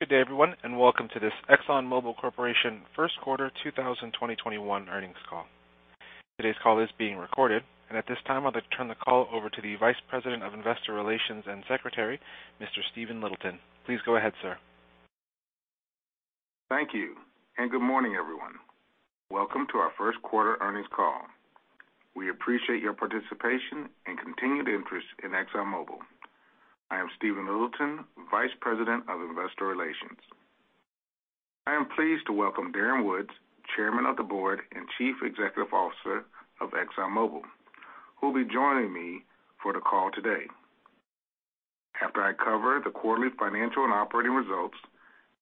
Good day everyone, and welcome to this Exxon Mobil Corporation first quarter 2021 earnings call. Today's call is being recorded, and at this time, I'd like to turn the call over to the Vice President of Investor Relations and Secretary, Mr. Stephen Littleton. Please go ahead, sir. Thank you, and good morning, everyone. Welcome to our first quarter earnings call. We appreciate your participation and continued interest in Exxon Mobil. I am Stephen Littleton, Vice President of Investor Relations. I am pleased to welcome Darren Woods, Chairman of the Board and Chief Executive Officer of Exxon Mobil, who will be joining me for the call today. After I cover the quarterly financial and operating results,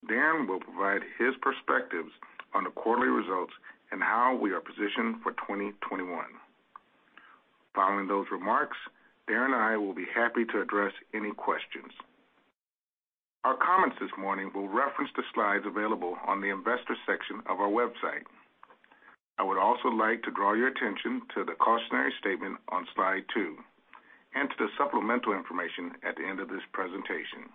Darren will provide his perspectives on the quarterly results and how we are positioned for 2021. Following those remarks, Darren and I will be happy to address any questions. Our comments this morning will reference the slides available on the investors section of our website. I would also like to draw your attention to the cautionary statement on Slide two, and to the supplemental information at the end of this presentation.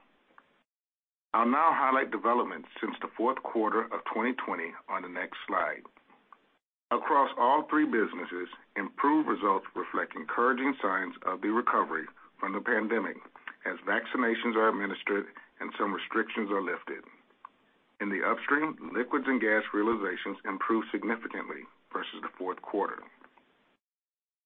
I'll now highlight developments since the fourth quarter of 2020 on the next slide. Across all three businesses, improved results reflect encouraging signs of the recovery from the pandemic as vaccinations are administered and some restrictions are lifted. In the upstream, liquids and gas realizations improved significantly versus the fourth quarter.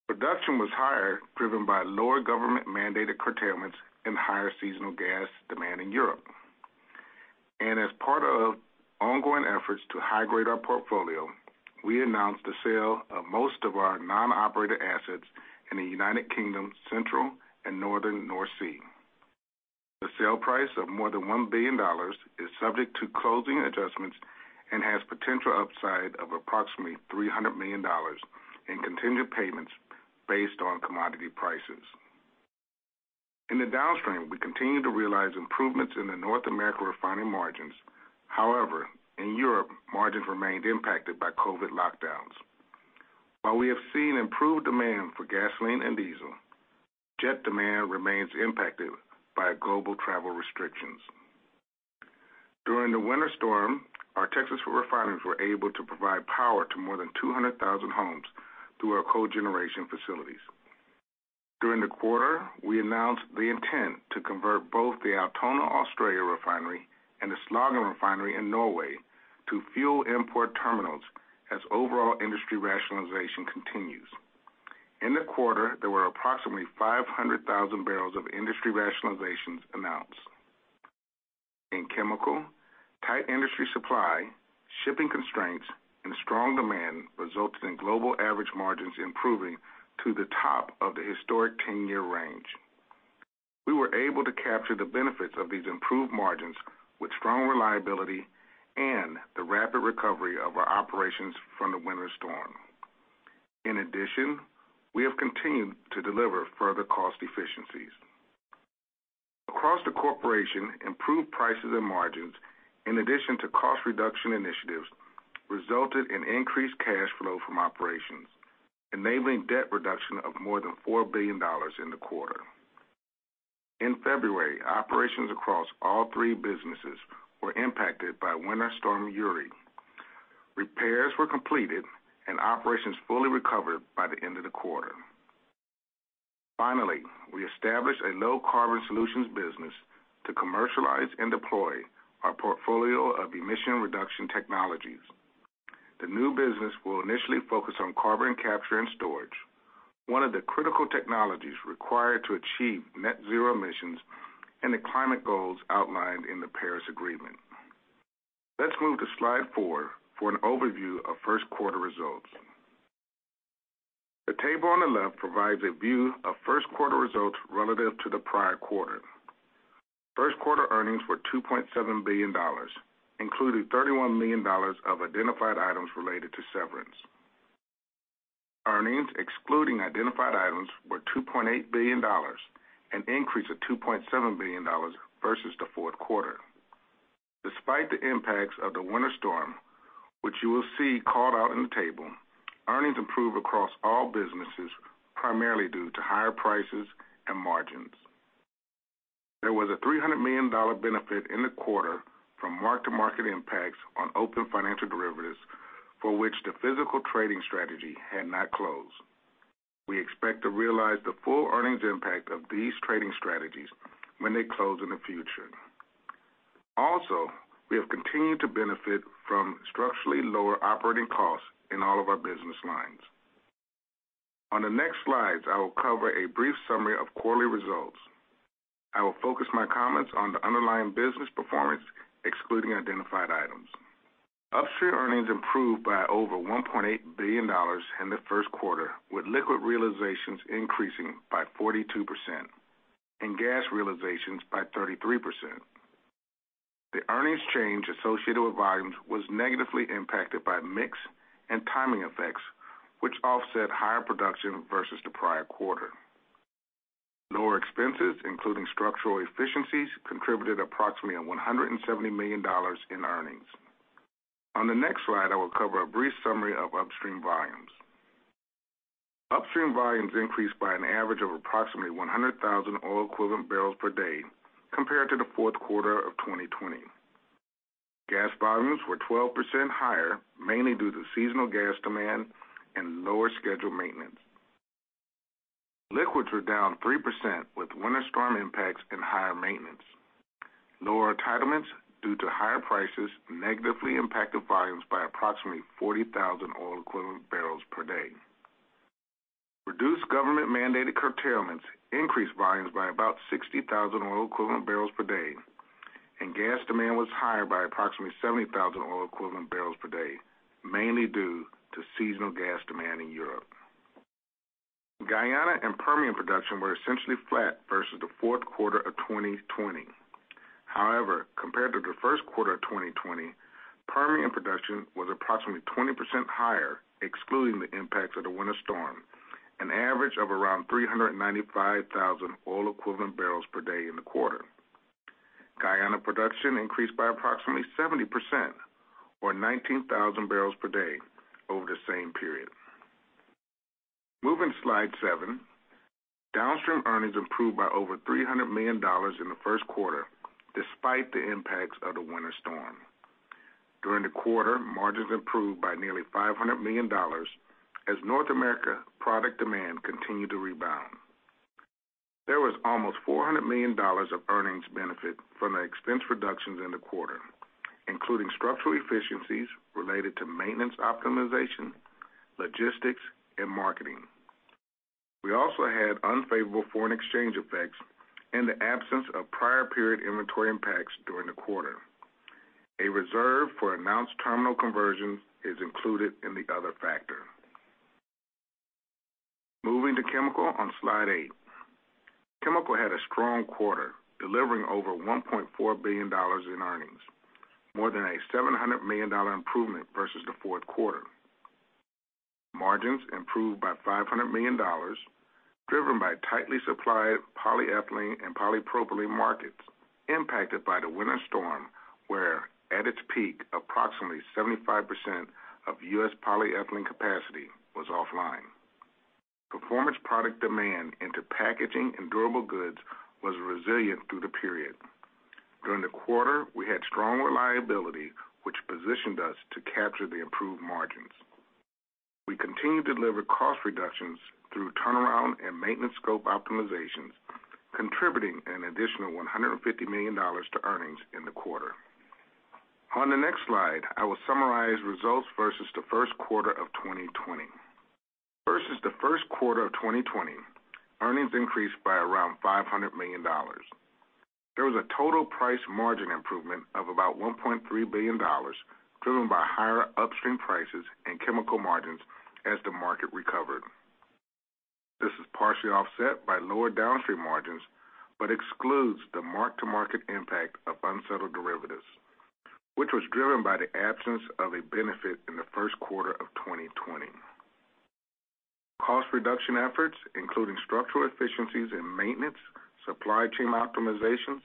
Production was higher driven by lower government-mandated curtailments and higher seasonal gas demand in Europe. As part of ongoing efforts to high-grade our portfolio, we announced the sale of most of our non-operated assets in the United Kingdom Central and Northern North Sea. The sale price of more than $1 billion is subject to closing adjustments and has potential upside of approximately $300 million in continued payments based on commodity prices. In the downstream, we continue to realize improvements in the North American refining margins. However, in Europe, margins remained impacted by COVID lockdowns. While we have seen improved demand for gasoline and diesel, jet demand remains impacted by global travel restrictions. During winter storm, our Texas refineries were able to provide power to more than 200,000 homes through our co-generation facilities. During the quarter, we announced the intent to convert both the Altona, Australia refinery and the Slagen refinery in Norway to fuel import terminals as overall industry rationalization continues. In the quarter, there were approximately 500,000 barrels of industry rationalizations announced. In chemical, tight industry supply, shipping constraints, and strong demand resulted in global average margins improving to the top of the historic 10-year range. We were able to capture the benefits of these improved margins with strong reliability and the rapid recovery of our operations from winter storm. In addition, we have continued to deliver further cost efficiencies. Across the corporation, improved prices and margins, in addition to cost reduction initiatives, resulted in increased cash flow from operations, enabling debt reduction of more than $4 billion in the quarter. In February, operations across all three businesses were impacted by Winter Storm Uri. Repairs were completed, and operations fully recovered by the end of the quarter. Finally, we established a Low Carbon Solutions business to commercialize and deploy our portfolio of emission reduction technologies. The new business will initially focus on carbon capture and storage, one of the critical technologies required to achieve net zero emissions and the climate goals outlined in the Paris Agreement. Let's move to slide four for an overview of first quarter results. The table on the left provides a view of first quarter results relative to the prior quarter. First quarter earnings were $2.7 billion, including $31 million of identified items related to severance. Earnings excluding identified items were $2.8 billion, an increase of $2.7 billion versus the fourth quarter. Despite the impacts of the winter storm, which you will see called out in the table, earnings improved across all businesses, primarily due to higher prices and margins. There was a $300 million benefit in the quarter from mark-to-market impacts on open financial derivatives for which the physical trading strategy had not closed. We expect to realize the full earnings impact of these trading strategies when they close in the future. Also, we have continued to benefit from structurally lower operating costs in all of our business lines. On the next slides, I will cover a brief summary of quarterly results. I will focus my comments on the underlying business performance, excluding identified items. Upstream earnings improved by over $1.8 billion in the first quarter, with liquid realizations increasing by 42% and gas realizations by 33%. The earnings change associated with volumes was negatively impacted by mix and timing effects, which offset higher production versus the prior quarter. Lower expenses, including structural efficiencies, contributed approximately $170 million in earnings. On the next slide, I will cover a brief summary of upstream volumes. Upstream volumes increased by an average of approximately 100,000 oil equivalent barrels per day compared to the fourth quarter of 2020. Gas volumes were 12% higher, mainly due to seasonal gas demand and lower scheduled maintenance. Liquids were down 3%, with winter storm impacts and higher maintenance. Lower entitlements due to higher prices negatively impacted volumes by approximately 40,000 oil equivalent barrels per day. Reduced government-mandated curtailments increased volumes by about 60,000 oil equivalent barrels per day, and gas demand was higher by approximately 70,000 oil equivalent barrels per day, mainly due to seasonal gas demand in Europe. Guyana and Permian production were essentially flat versus the fourth quarter of 2020. However, compared to the first quarter of 2020, Permian production was approximately 20% higher, excluding the impacts of the Winter Storm, an average of around 395,000 oil equivalent barrels per day in the quarter. Guyana production increased by approximately 70%, or 19,000 bbl per day over the same period. Moving to slide seven. Downstream earnings improved by over $300 million in the first quarter, despite the impacts of the winter storm. During the quarter, margins improved by nearly $500 million as North America product demand continued to rebound. There was almost $400 million of earnings benefit from the expense reductions in the quarter, including structural efficiencies related to maintenance optimization, logistics, and marketing. We also had unfavorable foreign exchange effects and the absence of prior period inventory impacts during the quarter. A reserve for announced terminal conversions is included in the other factor. Moving to chemical on slide eight. Chemical had a strong quarter, delivering over $1.4 billion in earnings, more than a $700 million improvement versus the fourth quarter. Margins improved by $500 million, driven by tightly supplied polyethylene and polypropylene markets impacted by the winter storm, where, at its peak, approximately 75% of U.S. polyethylene capacity was offline. Performance product demand into packaging and durable goods was resilient through the period. During the quarter, we had strong reliability, which positioned us to capture the improved margins. We continued to deliver cost reductions through turnaround and maintenance scope optimizations, contributing an additional $150 million to earnings in the quarter. On the next slide, I will summarize results versus the first quarter of 2020. Versus the first quarter of 2020, earnings increased by around $500 million. There was a total price margin improvement of about $1.3 billion, driven by higher upstream prices and chemical margins as the market recovered. This is partially offset by lower downstream margins but excludes the mark-to-market impact of unsettled derivatives, which was driven by the absence of a benefit in the first quarter of 2020. Cost reduction efforts, including structural efficiencies in maintenance, supply chain optimizations,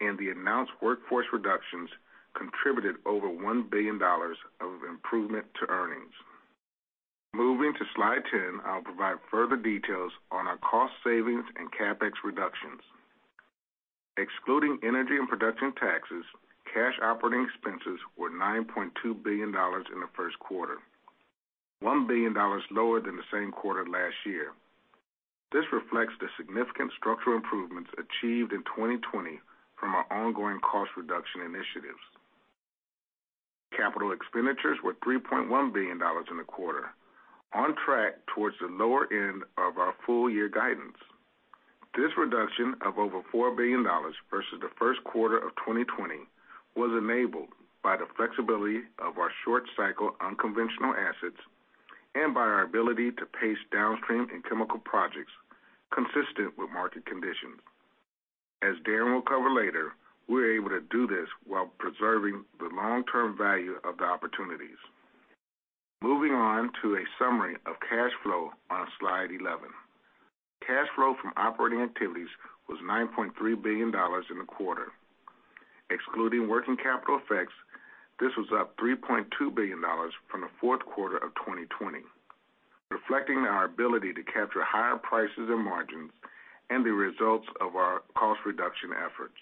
and the announced workforce reductions, contributed over $1 billion of improvement to earnings. Moving to slide 10, I'll provide further details on our cost savings and CapEx reductions. Excluding energy and production taxes, cash operating expenses were $9.2 billion in the first quarter, $1 billion lower than the same quarter last year. This reflects the significant structural improvements achieved in 2020 from our ongoing cost reduction initiatives. Capital expenditures were $3.1 billion in the quarter, on track towards the lower end of our full-year guidance. This reduction of over $4 billion versus the first quarter of 2020 was enabled by the flexibility of our short-cycle unconventional assets and by our ability to pace downstream and chemical projects consistent with market conditions. As Darren will cover later, we're able to do this while preserving the long-term value of the opportunities. Moving on to a summary of cash flow on slide 11. Cash flow from operating activities was $9.3 billion in the quarter. Excluding working capital effects, this was up $3.2 billion from the fourth quarter of 2020, reflecting our ability to capture higher prices and margins and the results of our cost reduction efforts.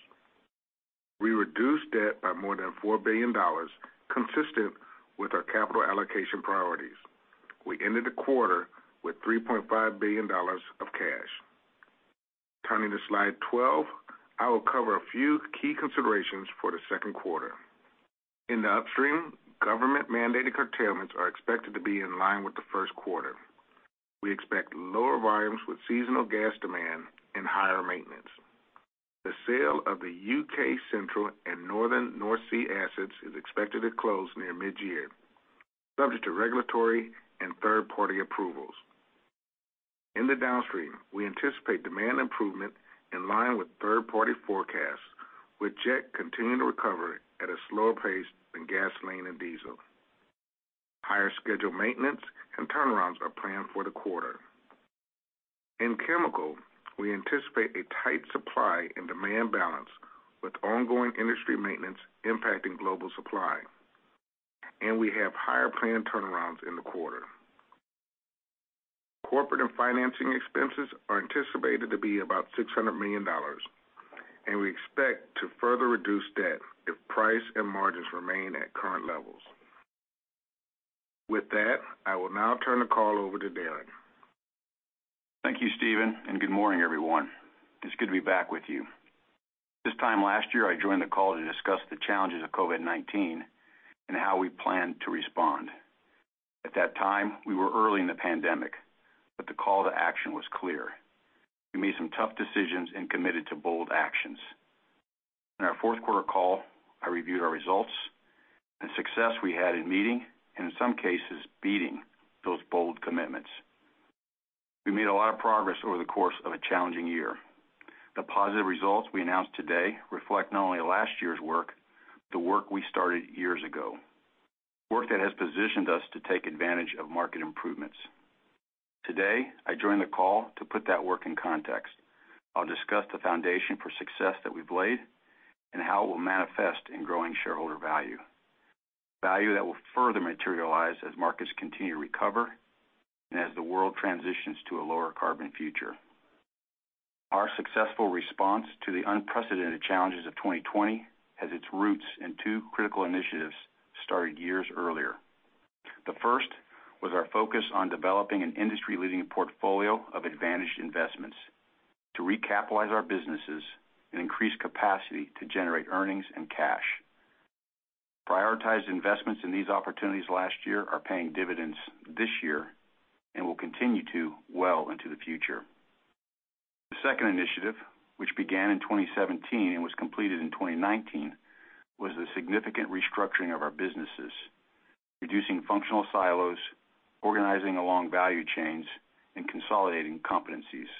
We reduced debt by more than $4 billion, consistent with our capital allocation priorities. We ended the quarter with $3.5 billion of cash. Turning to slide 12, I will cover a few key considerations for the second quarter. In the upstream, government-mandated curtailments are expected to be in line with the first quarter. We expect lower volumes with seasonal gas demand and higher maintenance. The sale of the U.K. Central and Northern North Sea assets is expected to close near mid-year, subject to regulatory and third-party approvals. In the downstream, we anticipate demand improvement in line with third-party forecasts, with jet continuing to recover at a slower pace than gasoline and diesel. Higher scheduled maintenance and turnarounds are planned for the quarter. In chemical, we anticipate a tight supply and demand balance with ongoing industry maintenance impacting global supply, and we have higher planned turnarounds in the quarter. Corporate and financing expenses are anticipated to be about $600 million, and we expect to further reduce debt if price and margins remain at current levels. With that, I will now turn the call over to Darren. Thank you, Stephen, and good morning, everyone. It's good to be back with you. This time last year, I joined the call to discuss the challenges of COVID-19 and how we planned to respond. At that time, we were early in the pandemic, but the call to action was clear. We made some tough decisions and committed to bold actions. In our fourth quarter call, I reviewed our results and success we had in meeting, and in some cases, beating those bold commitments. We made a lot of progress over the course of a challenging year. The positive results we announced today reflect not only last year's work, but the work we started years ago, work that has positioned us to take advantage of market improvements. Today, I join the call to put that work in context. I'll discuss the foundation for success that we've laid and how it will manifest in growing shareholder value. Value that will further materialize as markets continue to recover and as the world transitions to a lower carbon future. Our successful response to the unprecedented challenges of 2020 has its roots in two critical initiatives started years earlier. The first was our focus on developing an industry-leading portfolio of advantaged investments to recapitalize our businesses and increase capacity to generate earnings and cash. Prioritized investments in these opportunities last year are paying dividends this year and will continue to well into the future. The second initiative, which began in 2017 and was completed in 2019, was the significant restructuring of our businesses, reducing functional silos, organizing along value chains, and consolidating competencies.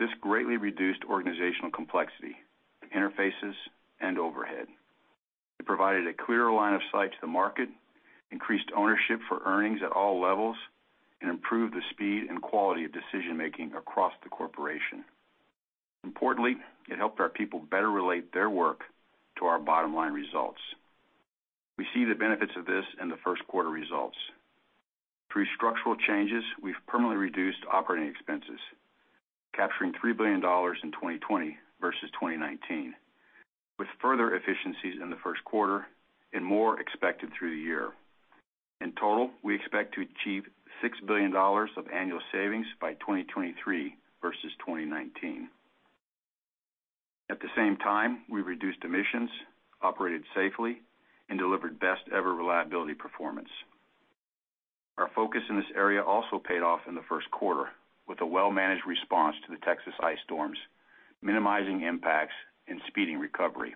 This greatly reduced organizational complexity, interfaces, and overhead. It provided a clearer line of sight to the market, increased ownership for earnings at all levels, and improved the speed and quality of decision-making across the corporation. Importantly, it helped our people better relate their work to our bottom-line results. We see the benefits of this in the first quarter results. Through structural changes, we've permanently reduced operating expenses, capturing $3 billion in 2020 versus 2019, with further efficiencies in the first quarter and more expected through the year. In total, we expect to achieve $6 billion of annual savings by 2023 versus 2019. At the same time, we reduced emissions, operated safely, and delivered best-ever reliability performance. Our focus in this area also paid off in the first quarter with a well-managed response to the Texas ice storms, minimizing impacts and speeding recovery.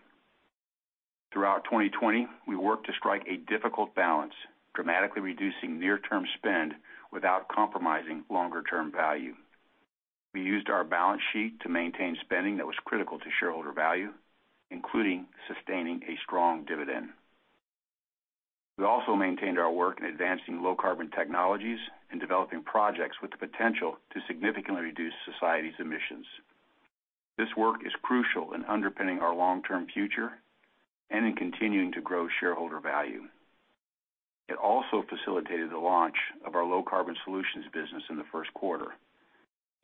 Throughout 2020, we worked to strike a difficult balance, dramatically reducing near-term spend without compromising longer-term value. We used our balance sheet to maintain spending that was critical to shareholder value, including sustaining a strong dividend. We also maintained our work in advancing low-carbon technologies and developing projects with the potential to significantly reduce society's emissions. This work is crucial in underpinning our long-term future and in continuing to grow shareholder value. It also facilitated the launch of our Low Carbon Solutions business in the first quarter,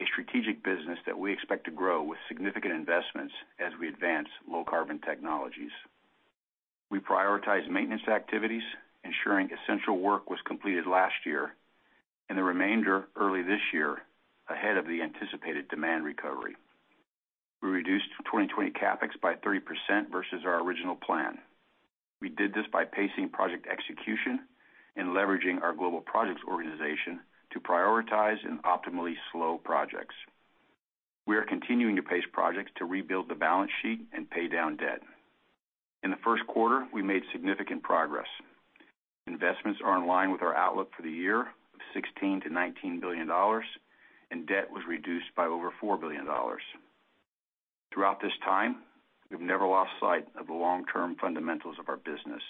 a strategic business that we expect to grow with significant investments as we advance low-carbon technologies. We prioritized maintenance activities, ensuring essential work was completed last year, and the remainder early this year ahead of the anticipated demand recovery. We reduced 2020 CapEx by 30% versus our original plan. We did this by pacing project execution and leveraging our global projects organization to prioritize and optimally slow projects. We are continuing to pace projects to rebuild the balance sheet and pay down debt. In the first quarter, we made significant progress. Investments are in line with our outlook for the year of $16 billion-$19 billion, and debt was reduced by over $4 billion. Throughout this time, we've never lost sight of the long-term fundamentals of our business.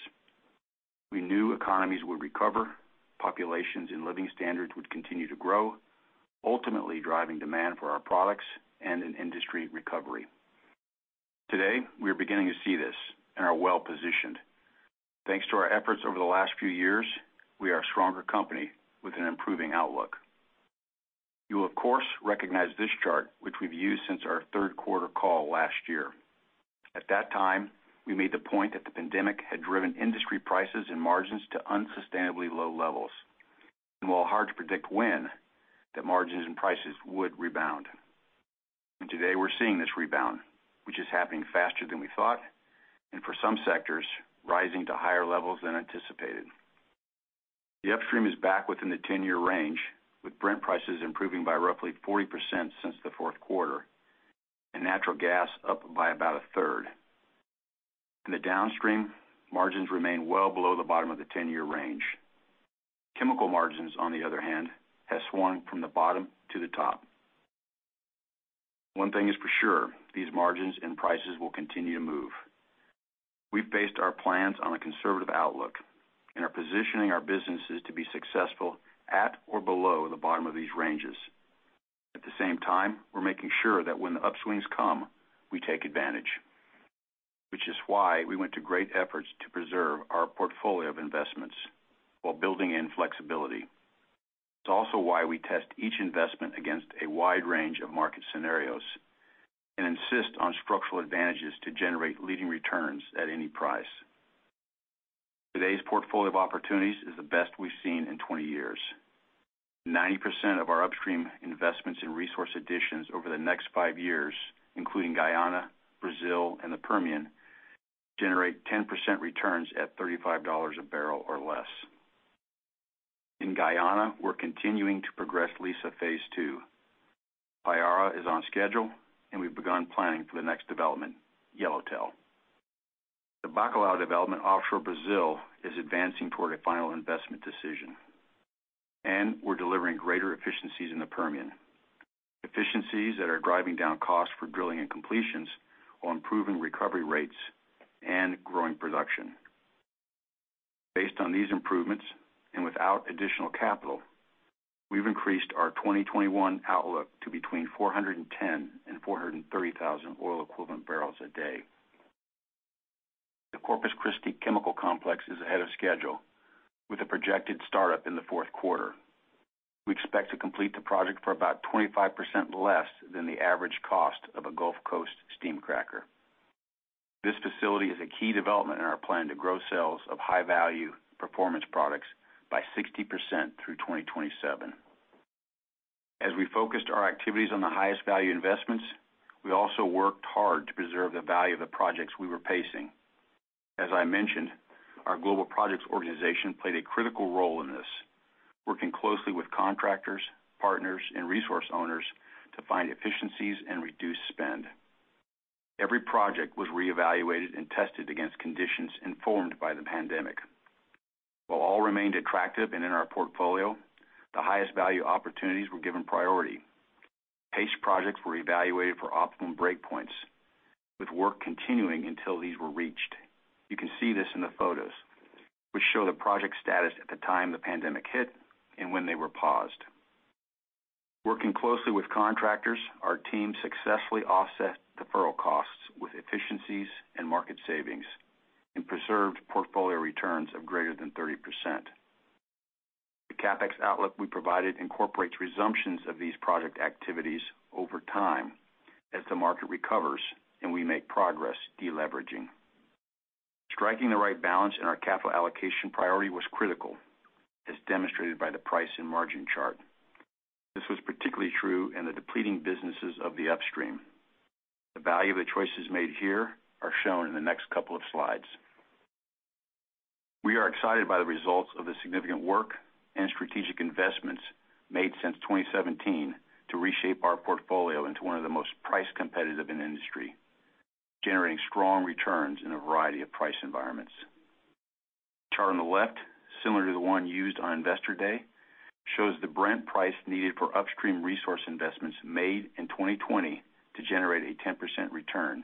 We knew economies would recover, populations and living standards would continue to grow, ultimately driving demand for our products and an industry recovery. Today, we are beginning to see this and are well-positioned. Thanks to our efforts over the last few years, we are a stronger company with an improving outlook. You will, of course, recognize this chart, which we've used since our third quarter call last year. At that time, we made the point that the pandemic had driven industry prices and margins to unsustainably low levels, and while hard to predict when, that margins and prices would rebound. Today we're seeing this rebound, which is happening faster than we thought, and for some sectors, rising to higher levels than anticipated. The upstream is back within the 10-year range, with Brent prices improving by roughly 40% since the fourth quarter, and natural gas up by about a third. In the downstream, margins remain well below the bottom of the 10-year range. Chemical margins, on the other hand, have swung from the bottom to the top. One thing is for sure, these margins and prices will continue to move. We've based our plans on a conservative outlook and are positioning our businesses to be successful at or below the bottom of these ranges. At the same time, we're making sure that when the upswings come, we take advantage. Which is why we went to great efforts to preserve our portfolio of investments while building in flexibility. It's also why we test each investment against a wide range of market scenarios and insist on structural advantages to generate leading returns at any price. Today's portfolio of opportunities is the best we've seen in 20 years. 90% of our upstream investments in resource additions over the next five years, including Guyana, Brazil, and the Permian, generate 10% returns at $35 a bbl or less. In Guyana, we're continuing to progress Liza Phase 2. Payara is on schedule, and we've begun planning for the next development, Yellowtail. The Bacalhau development offshore Brazil is advancing toward a final investment decision, and we're delivering greater efficiencies in the Permian. Efficiencies that are driving down costs for drilling and completions while improving recovery rates and growing production. Based on these improvements, and without additional capital, we've increased our 2021 outlook to between 410,000 and 430,000 oil equivalent barrels a day. The Corpus Christi Chemical Complex is ahead of schedule with a projected startup in the fourth quarter. We expect to complete the project for about 25% less than the average cost of a Gulf Coast steam cracker. This facility is a key development in our plan to grow sales of high-value performance products by 60% through 2027. As we focused our activities on the highest value investments, we also worked hard to preserve the value of the projects we were pacing. As I mentioned, our global projects organization played a critical role in this, working closely with contractors, partners, and resource owners to find efficiencies and reduce spend. Every project was reevaluated and tested against conditions informed by the pandemic. While all remained attractive and in our portfolio, the highest value opportunities were given priority. Paced projects were evaluated for optimum break points with work continuing until these were reached. You can see this in the photos, which show the project status at the time the pandemic hit and when they were paused. Working closely with contractors, our team successfully offset deferral costs with efficiencies and market savings and preserved portfolio returns of greater than 30%. The CapEx outlook we provided incorporates resumptions of these project activities over time as the market recovers, and we make progress deleveraging. Striking the right balance in our capital allocation priority was critical, as demonstrated by the price and margin chart. This was particularly true in the depleting businesses of the upstream. The value of the choices made here are shown in the next couple of slides. We are excited by the results of the significant work and strategic investments made since 2017 to reshape our portfolio into one of the most price competitive in the industry, generating strong returns in a variety of price environments. The chart on the left, similar to the one used on Investor Day, shows the Brent price needed for upstream resource investments made in 2020 to generate a 10% return.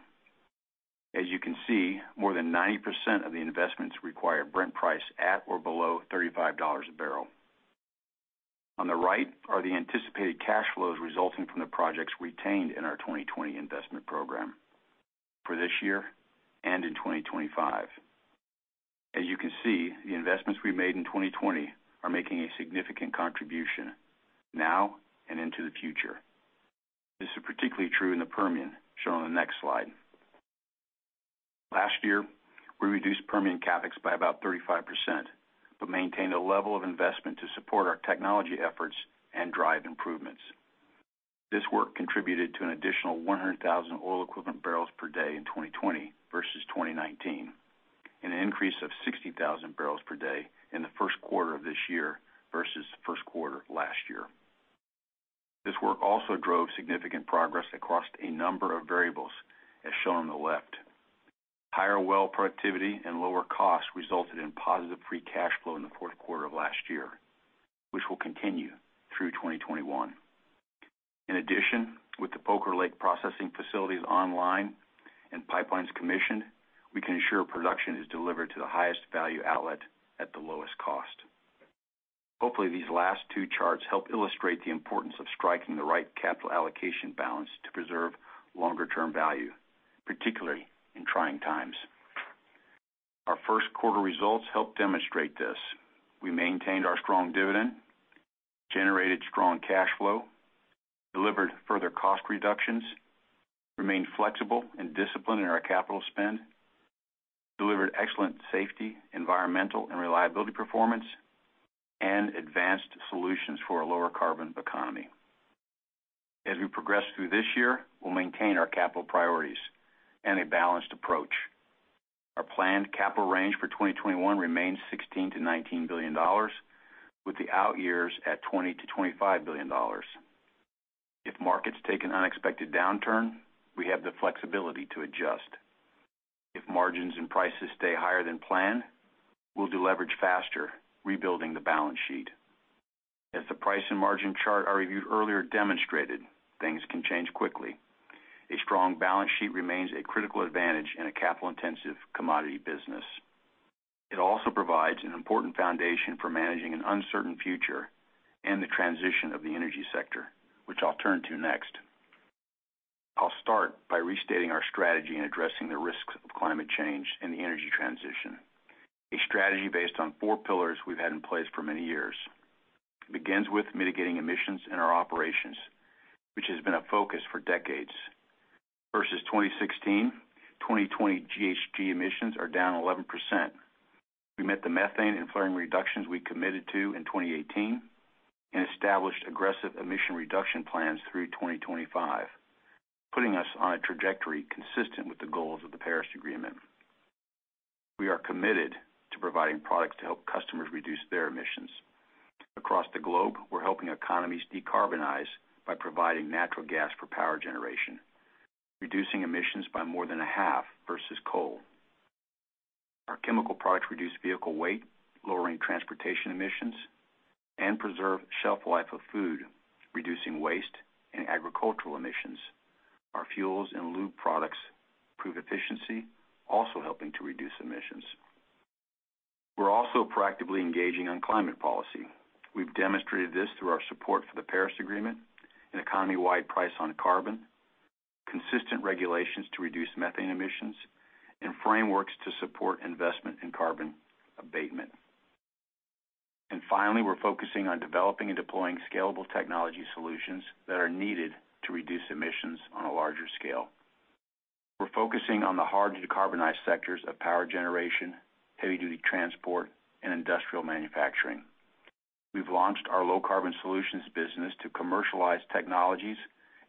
As you can see, more than 90% of the investments require a Brent price at or below $35 a bbl. On the right are the anticipated cash flows resulting from the projects retained in our 2020 investment program for this year and in 2025. As you can see, the investments we made in 2020 are making a significant contribution now and into the future. This is particularly true in the Permian, shown on the next slide. Last year, we reduced Permian CapEx by about 35% maintained a level of investment to support our technology efforts and drive improvements. This work contributed to an additional 100,000 oil equivalent barrels per day in 2020 versus 2019, an increase of 60,000 bbl per day in the first quarter of this year versus first quarter of last year. This work also drove significant progress across a number of variables, as shown on the left. Higher well productivity and lower costs resulted in positive free cash flow in the fourth quarter of last year, which will continue through 2021. In addition, with the Poker Lake processing facilities online and pipelines commissioned, we can ensure production is delivered to the highest value outlet at the lowest cost. Hopefully, these last two charts help illustrate the importance of striking the right capital allocation balance to preserve longer-term value, particularly in trying times. Our first quarter results help demonstrate this. We maintained our strong dividend, generated strong cash flow, delivered further cost reductions, remained flexible and disciplined in our capital spend, delivered excellent safety, environmental, and reliability performance, and advanced solutions for a lower carbon economy. As we progress through this year, we'll maintain our capital priorities and a balanced approach. Our planned capital range for 2021 remains $16 billion-$19 billion, with the out years at $20 billion-$25 billion. If markets take an unexpected downturn, we have the flexibility to adjust. If margins and prices stay higher than planned, we'll deleverage faster, rebuilding the balance sheet. As the price and margin chart I reviewed earlier demonstrated, things can change quickly. A strong balance sheet remains a critical advantage in a capital-intensive commodity business. It also provides an important foundation for managing an uncertain future and the transition of the energy sector, which I'll turn to next. I'll start by restating our strategy in addressing the risks of climate change and the energy transition, a strategy based on four pillars we've had in place for many years. It begins with mitigating emissions in our operations, which has been a focus for decades. Versus 2016, 2020 GHG emissions are down 11%. We met the methane and flaring reductions we committed to in 2018 and established aggressive emission reduction plans through 2025, putting us on a trajectory consistent with the goals of the Paris Agreement. We are committed to providing products to help customers reduce their emissions. Across the globe, we're helping economies decarbonize by providing natural gas for power generation, reducing emissions by more than a half versus coal. Our chemical products reduce vehicle weight, lowering transportation emissions, and preserve shelf life of food, reducing waste and agricultural emissions. Our fuels and lube products improve efficiency, also helping to reduce emissions. We're also proactively engaging on climate policy. We've demonstrated this through our support for the Paris Agreement, an economy-wide price on carbon, consistent regulations to reduce methane emissions, and frameworks to support investment in carbon abatement. Finally, we're focusing on developing and deploying scalable technology solutions that are needed to reduce emissions on a larger scale. We're focusing on the hard-to-decarbonize sectors of power generation, heavy-duty transport, and industrial manufacturing. We've launched our Low Carbon Solutions business to commercialize technologies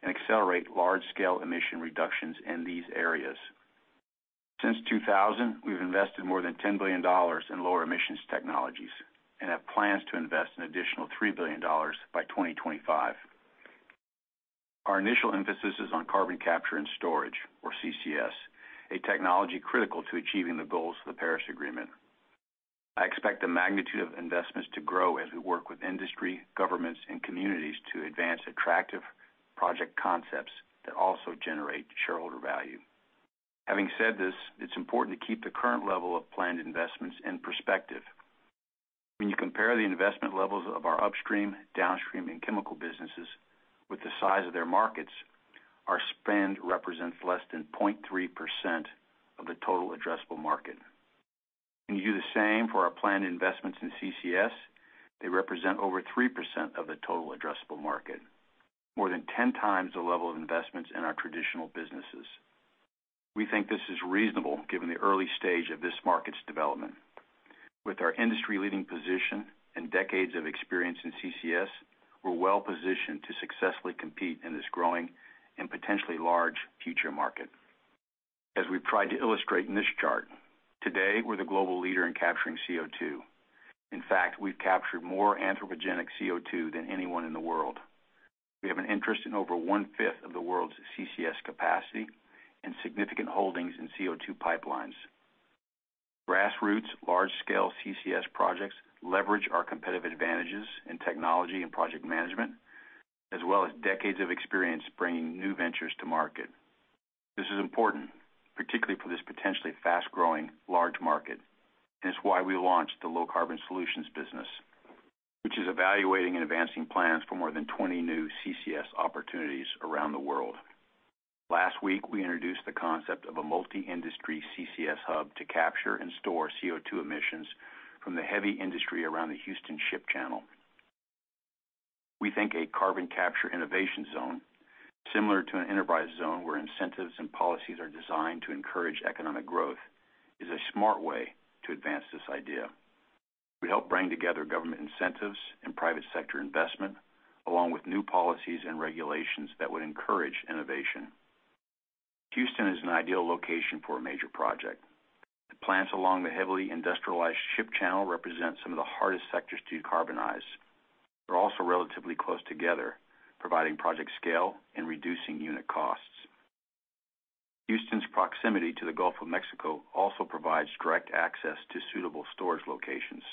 and accelerate large-scale emission reductions in these areas. Since 2000, we've invested more than $10 billion in lower emissions technologies and have plans to invest an additional $3 billion by 2025. Our initial emphasis is on carbon capture and storage, or CCS, a technology critical to achieving the goals of the Paris Agreement. I expect the magnitude of investments to grow as we work with industry, governments, and communities to advance attractive project concepts that also generate shareholder value. Having said this, it's important to keep the current level of planned investments in perspective. When you compare the investment levels of our upstream, downstream, and chemical businesses with the size of their markets, our spend represents less than 0.3% of the total addressable market. When you do the same for our planned investments in CCS, they represent over 3% of the total addressable market, more than 10x the level of investments in our traditional businesses. We think this is reasonable given the early stage of this market's development. With our industry-leading position and decades of experience in CCS, we're well-positioned to successfully compete in this growing and potentially large future market. As we've tried to illustrate in this chart, today, we're the global leader in capturing CO2. In fact, we've captured more anthropogenic CO2 than anyone in the world. We have an interest in over one-fifth of the world's CCS capacity and significant holdings in CO2 pipelines. Grassroots large-scale CCS projects leverage our competitive advantages in technology and project management, as well as decades of experience bringing new ventures to market. This is important, particularly for this potentially fast-growing, large market, and it's why we launched the Low Carbon Solutions business, which is evaluating and advancing plans for more than 20 new CCS opportunities around the world. Last week, we introduced the concept of a multi-industry CCS hub to capture and store CO2 emissions from the heavy industry around the Houston Ship Channel. We think a carbon capture innovation zone, similar to an enterprise zone where incentives and policies are designed to encourage economic growth, is a smart way to advance this idea. We help bring together government incentives and private sector investment, along with new policies and regulations that would encourage innovation. Houston is an ideal location for a major project. The plants along the heavily industrialized ship channel represent some of the hardest sectors to decarbonize. They're also relatively close together, providing project scale and reducing unit costs. Houston's proximity to the Gulf of Mexico also provides direct access to suitable storage locations.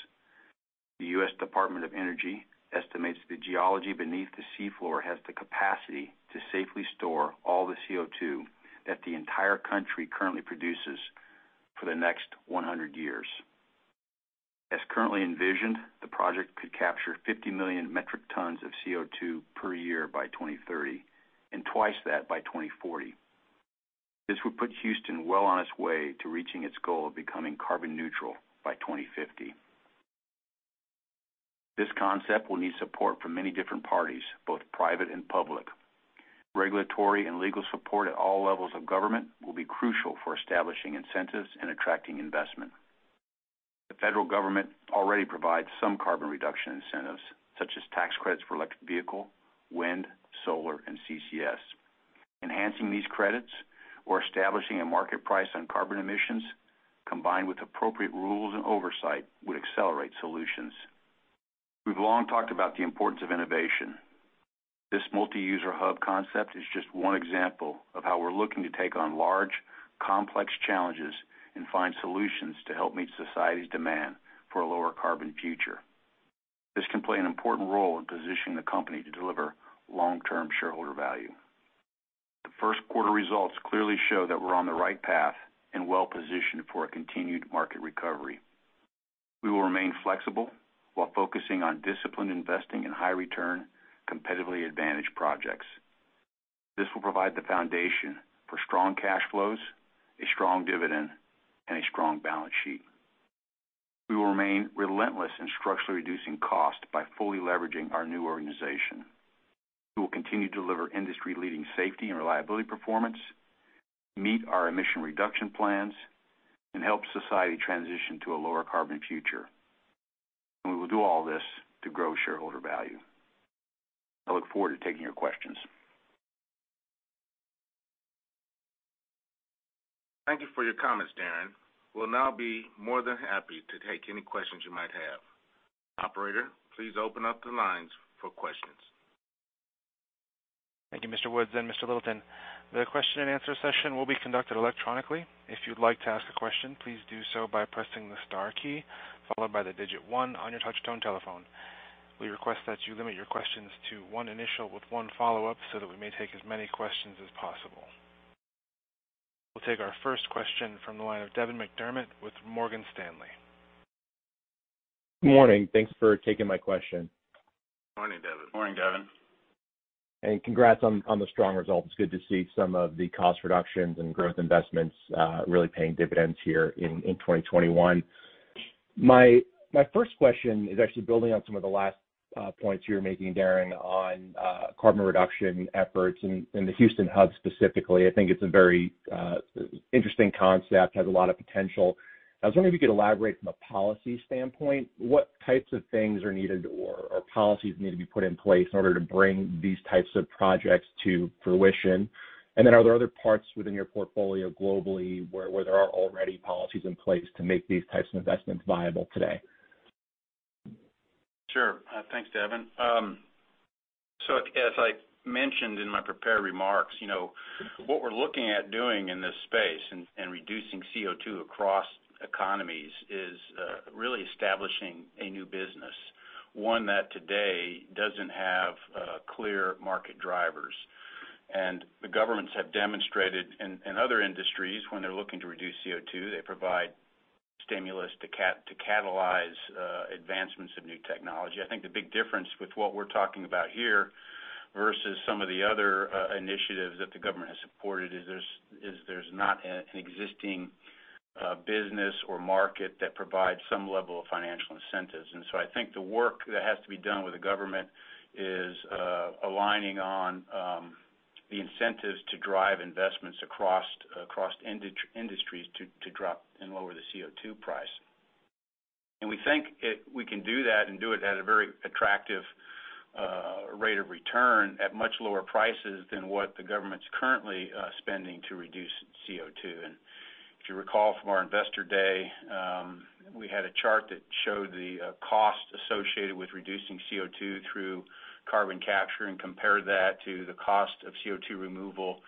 The U.S. Department of Energy estimates the geology beneath the sea floor has the capacity to safely store all the CO2 that the entire country currently produces for the next 100 years. As currently envisioned, the project could capture 50 million metric tons of CO2 per year by 2030 and twice that by 2040. This would put Houston well on its way to reaching its goal of becoming carbon neutral by 2050. This concept will need support from many different parties, both private and public. Regulatory and legal support at all levels of government will be crucial for establishing incentives and attracting investment. The federal government already provides some carbon reduction incentives, such as tax credits for electric vehicle, wind, solar, and CCS. Enhancing these credits or establishing a market price on carbon emissions, combined with appropriate rules and oversight, would accelerate solutions. We've long talked about the importance of innovation. This multi-user hub concept is just one example of how we're looking to take on large, complex challenges and find solutions to help meet society's demand for a lower carbon future. This can play an important role in positioning the company to deliver long-term shareholder value. The first quarter results clearly show that we're on the right path and well-positioned for a continued market recovery. We will remain flexible while focusing on disciplined investing in high return, competitively advantaged projects. This will provide the foundation for strong cash flows, a strong dividend, and a strong balance sheet. We will remain relentless in structurally reducing cost by fully leveraging our new organization. We will continue to deliver industry-leading safety and reliability performance, meet our emission reduction plans, and help society transition to a lower carbon future. We will do all this to grow shareholder value. I look forward to taking your questions. Thank you for your comments, Darren. We'll now be more than happy to take any questions you might have. Operator, please open up the lines for questions. Thank you, Mr. Woods and Mr. Littleton. The question and answer session will be conducted electronically. If you'd like to ask a question, please do so by pressing the star key, followed by the digit one on your touch tone telephone. We request that you limit your questions to one initial with one follow-up so that we may take as many questions as possible. We'll take our first question from the line of Devin McDermott with Morgan Stanley. Good morning. Thanks for taking my question. Morning, Devin. Morning, Devin. Congrats on the strong results. It's good to see some of the cost reductions and growth investments really paying dividends here in 2021. My first question is actually building on some of the last points you were making, Darren, on carbon reduction efforts in the Houston hub specifically. I think it's a very interesting concept, has a lot of potential. I was wondering if you could elaborate from a policy standpoint, what types of things are needed or policies need to be put in place in order to bring these types of projects to fruition? Then are there other parts within your portfolio globally where there are already policies in place to make these types of investments viable today? Sure. Thanks, Devin. As I mentioned in my prepared remarks, what we're looking at doing in this space and reducing CO2 across economies is really establishing a new business. One that today doesn't have clear market drivers. The governments have demonstrated in other industries when they're looking to reduce CO2, they provide stimulus to catalyze advancements of new technology. I think the big difference with what we're talking about here versus some of the other initiatives that the government has supported is there's not an existing business or market that provides some level of financial incentives. I think the work that has to be done with the government is aligning on the incentives to drive investments across industries to drop and lower the CO2 price. We think we can do that and do it at a very attractive rate of return at much lower prices than what the government's currently spending to reduce CO2. If you recall from our Investor Day, we had a chart that showed the cost associated with reducing CO2 through carbon capture and compared that to the cost of CO2 removal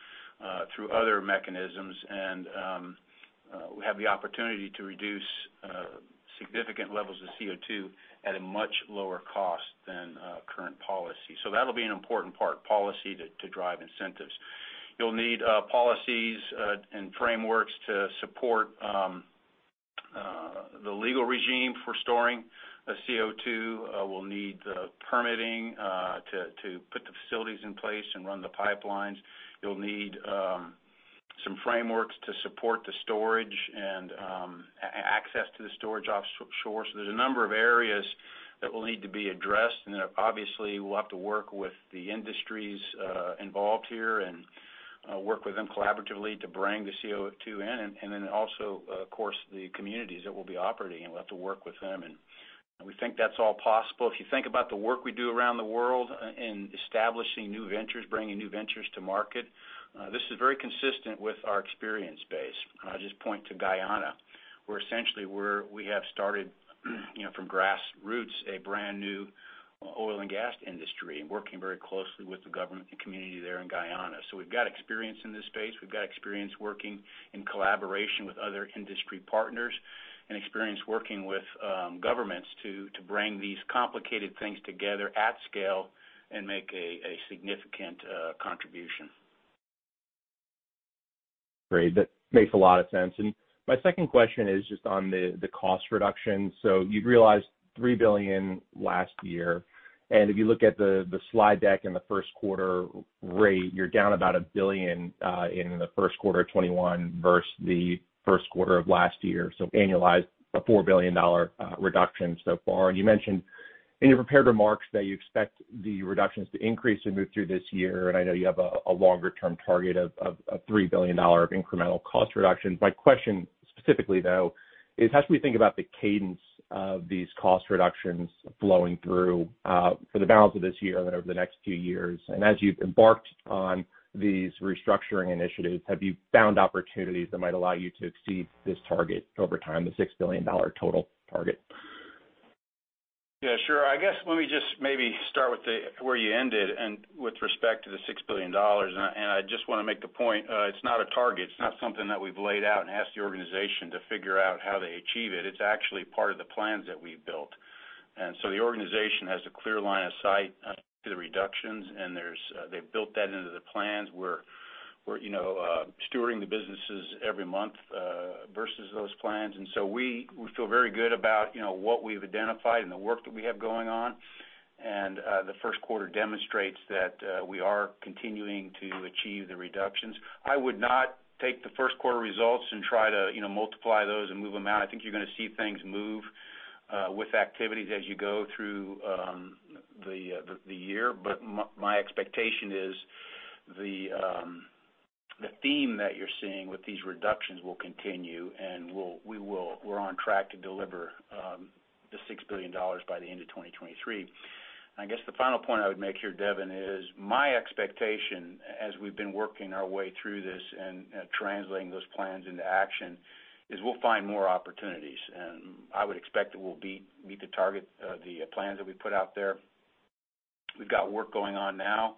through other mechanisms. We have the opportunity to reduce significant levels of CO2 at a much lower cost than current policy. That'll be an important part, policy to drive incentives. You'll need policies and frameworks to support the legal regime for storing the CO2. We'll need permitting to put the facilities in place and run the pipelines. You'll need some frameworks to support the storage and access to the storage offshore. There's a number of areas that will need to be addressed, and then obviously we'll have to work with the industries involved here and work with them collaboratively to bring the CO2 in. Also, of course, the communities that we'll be operating in, we'll have to work with them, and we think that's all possible. If you think about the work we do around the world in establishing new ventures, bringing new ventures to market, this is very consistent with our experience base. I'll just point to Guyana, where essentially we have started from grassroots, a brand new oil and gas industry and working very closely with the government and community there in Guyana. We've got experience in this space. We've got experience working in collaboration with other industry partners and experience working with governments to bring these complicated things together at scale and make a significant contribution. Great. That makes a lot of sense. My second question is just on the cost reduction. You'd realized $3 billion last year, and if you look at the slide deck in the first quarter rate, you're down about $1 billion in the first quarter of 2021 versus the first quarter of last year. Annualized, a $4 billion reduction so far. You mentioned in your prepared remarks that you expect the reductions to increase and move through this year, and I know you have a longer-term target of $3 billion of incremental cost reductions. My question specifically, though, is how should we think about the cadence of these cost reductions flowing through for the balance of this year and then over the next few years? As you've embarked on these restructuring initiatives, have you found opportunities that might allow you to exceed this target over time, the $6 billion total target? Yeah, sure. I guess, let me just maybe start with where you ended and with respect to the $6 billion. I just want to make the point, it's not a target. It's not something that we've laid out and asked the organization to figure out how they achieve it. It's actually part of the plans that we've built. The organization has a clear line of sight to the reductions, and they've built that into the plans. We're steering the businesses every month versus those plans. We feel very good about what we've identified and the work that we have going on. The first quarter demonstrates that we are continuing to achieve the reductions. I would not take the first quarter results and try to multiply those and move them out. I think you're going to see things move with activities as you go through the year. My expectation is the theme that you're seeing with these reductions will continue, and we're on track to deliver the $6 billion by the end of 2023. I guess the final point I would make here, Devin, is my expectation as we've been working our way through this and translating those plans into action, is we'll find more opportunities. I would expect that we'll beat the target, the plans that we put out there. We've got work going on now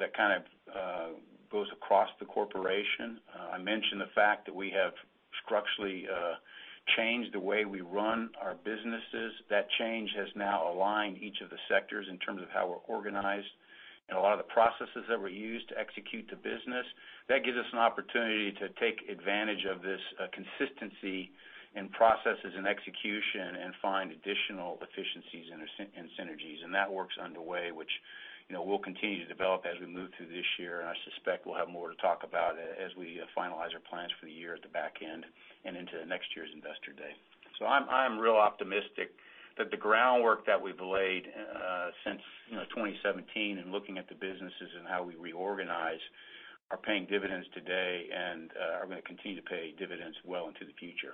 that kind of goes across the corporation. I mentioned the fact that we have structurally changed the way we run our businesses. That change has now aligned each of the sectors in terms of how we're organized and a lot of the processes that were used to execute the business. That gives us an opportunity to take advantage of this consistency in processes and execution and find additional efficiencies and synergies. That work's underway, which will continue to develop as we move through this year. I suspect we'll have more to talk about as we finalize our plans for the year at the back end and into next year's Investor Day. I'm real optimistic that the groundwork that we've laid since 2017 and looking at the businesses and how we reorganized are paying dividends today and are going to continue to pay dividends well into the future.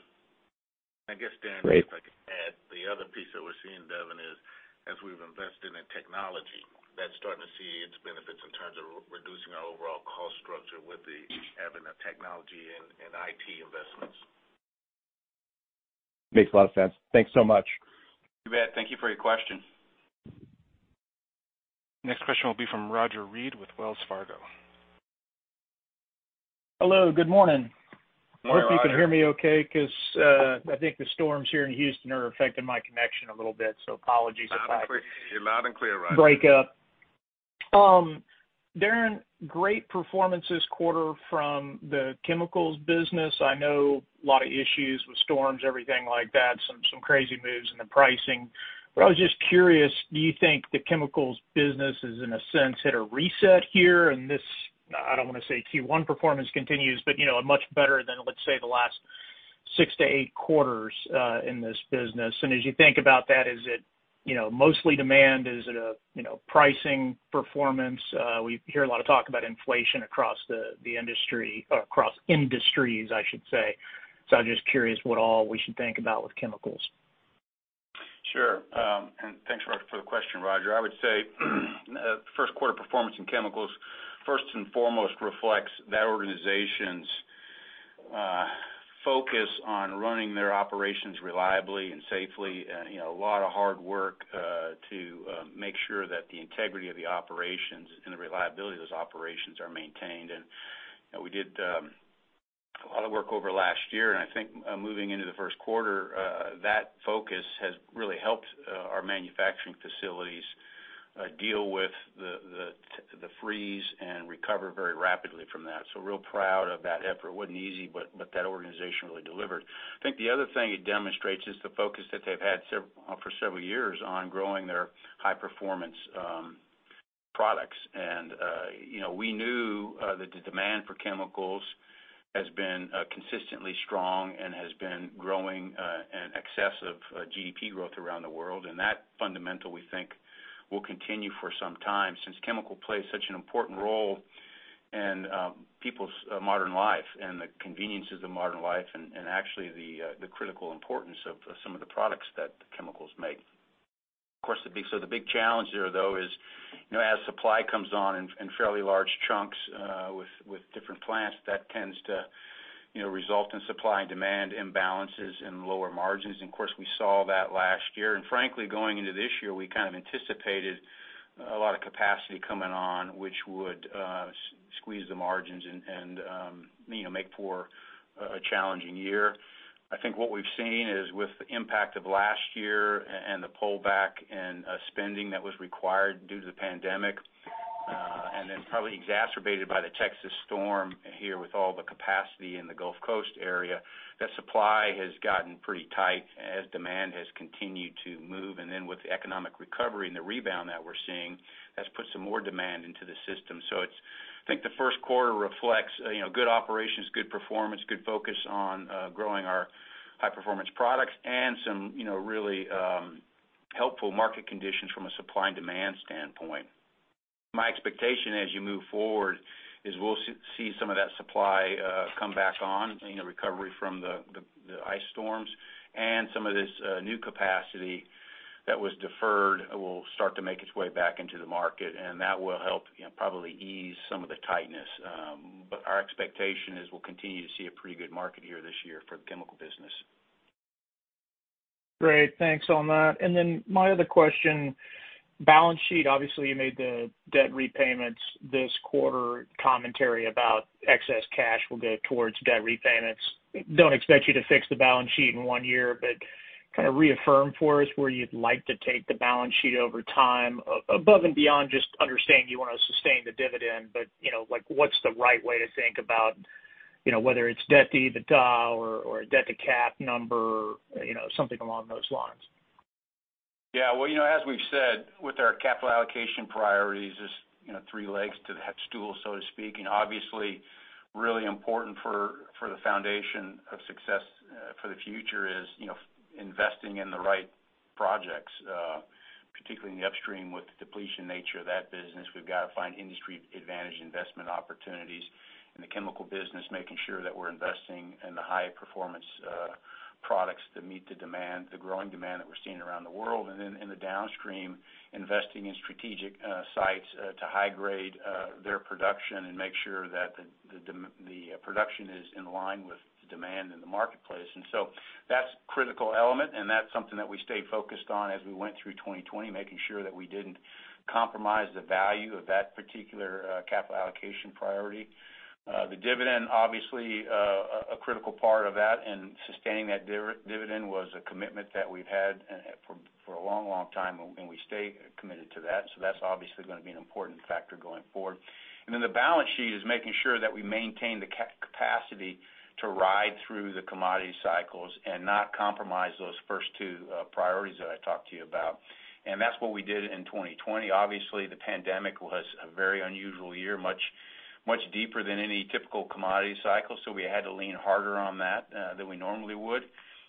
I guess, Darren, if I could add, the other piece that we're seeing, Devin, is as we've invested in technology, that's starting to see its benefits in terms of reducing our overall cost structure with the advent of technology and IT investments. Makes a lot of sense. Thanks so much. You bet. Thank you for your question. Next question will be from Roger Read with Wells Fargo. Hello, good morning. Morning, Roger. I hope you can hear me okay because I think the storms here in Houston are affecting my connection a little bit. Apologies. You're loud and clear, Roger. Break up. Darren, great performance this quarter from the chemicals business. I know a lot of issues with storms, everything like that, some crazy moves in the pricing. I was just curious, do you think the chemicals business has, in a sense, hit a reset here and this, I don't want to say Q1 performance continues, but much better than, let's say, the last six to eight quarters in this business? As you think about that, is it mostly demand? Is it a pricing performance? We hear a lot of talk about inflation across the industry, across industries, I should say. I'm just curious what all we should think about with chemicals. Sure. Thanks for the question, Roger. I would say first quarter performance in chemicals first and foremost reflects that organization's focus on running their operations reliably and safely. A lot of hard work to make sure that the integrity of the operations and the reliability of those operations are maintained. We did a lot of work over last year, and I think moving into the first quarter, that focus has really helped our manufacturing facilities deal with the freeze and recover very rapidly from that. Real proud of that effort. It wasn't easy, but that organization really delivered. I think the other thing it demonstrates is the focus that they've had for several years on growing their high-performance products. We knew that the demand for chemicals has been consistently strong and has been growing in excess of GDP growth around the world. That fundamental, we think, will continue for some time, since chemical plays such an important role in people's modern life and the conveniences of modern life, and actually the critical importance of some of the products that chemicals make. Of course, the big challenge there, though, is as supply comes on in fairly large chunks with different plants, that tends to result in supply and demand imbalances and lower margins. Of course, we saw that last year. Frankly, going into this year, we kind of anticipated a lot of capacity coming on, which would squeeze the margins and make for a challenging year. I think what we've seen is with the impact of last year and the pullback in spending that was required due to the pandemic and then probably exacerbated by the Texas storm here with all the capacity in the Gulf Coast area, that supply has gotten pretty tight as demand has continued to move. With the economic recovery and the rebound that we're seeing, that's put some more demand into the system. I think the first quarter reflects good operations, good performance, good focus on growing our high-performance products and some really helpful market conditions from a supply and demand standpoint. My expectation as you move forward is we'll see some of that supply come back on in the recovery from the ice storms and some of this new capacity that was deferred will start to make its way back into the market, and that will help probably ease some of the tightness. Our expectation is we'll continue to see a pretty good market here this year for chemicals. Great. Thanks on that. My other question, balance sheet. Obviously, you made the debt repayments this quarter, commentary about excess cash will go towards debt repayments. Don't expect you to fix the balance sheet in one year, but kind of reaffirm for us where you'd like to take the balance sheet over time, above and beyond just understanding you want to sustain the dividend, but what's the right way to think about whether it's debt/EBITDA or debt to cap number, something along those lines? Yeah. Well, as we've said, with our capital allocation priorities, there's three legs to that stool, so to speak. Obviously really important for the foundation of success for the future is investing in the right projects. Particularly in the upstream with the depletion nature of that business, we've got to find industry advantage investment opportunities. In the chemical business, making sure that we're investing in the high-performance products that meet the growing demand that we're seeing around the world. Then in the downstream, investing in strategic sites to high grade their production and make sure that the production is in line with the demand in the marketplace. So that's a critical element, and that's something that we stayed focused on as we went through 2020, making sure that we didn't compromise the value of that particular capital allocation priority. The dividend, obviously, a critical part of that, and sustaining that dividend was a commitment that we've had for a long time, and we stay committed to that. That's obviously going to be an important factor going forward. Then the balance sheet is making sure that we maintain the capacity to ride through the commodity cycles and not compromise those first two priorities that I talked to you about. That's what we did in 2020. Obviously, the pandemic was a very unusual year, much deeper than any typical commodity cycle. We had to lean harder on that than we normally would.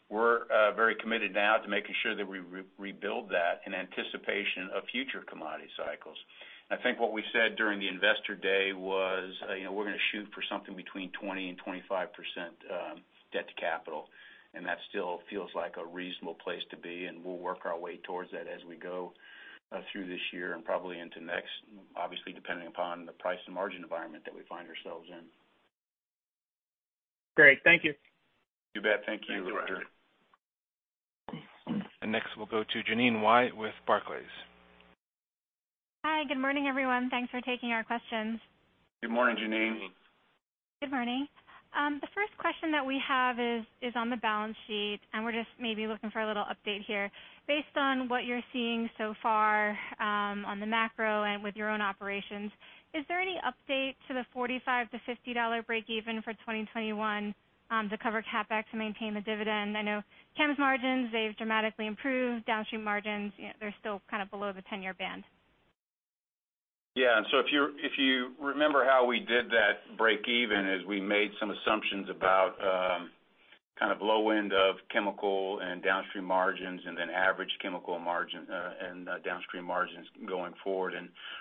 We're very committed now to making sure that we rebuild that in anticipation of future commodity cycles. I think what we said during the Investor Day was, we're going to shoot for something between 20% and 25% debt to capital, and that still feels like a reasonable place to be, and we'll work our way towards that as we go through this year and probably into next, obviously depending upon the price and margin environment that we find ourselves in. Great. Thank you. You bet. Thank you, Roger. Next, we'll go to Jeanine Wai with Barclays. Hi, good morning, everyone. Thanks for taking our questions. Good morning, Jeanine. Good morning. The first question that we have is on the balance sheet. We're just maybe looking for a little update here. Based on what you're seeing so far on the macro and with your own operations, is there any update to the $45-$50 breakeven for 2021 to cover CapEx to maintain the dividend? I know chem's margins, they've dramatically improved. Downstream margins, they're still kind of below the 10-year band. Yeah. If you remember how we did that breakeven is we made some assumptions about kind of low end of chemical and downstream margins, then average chemical margin and downstream margins going forward.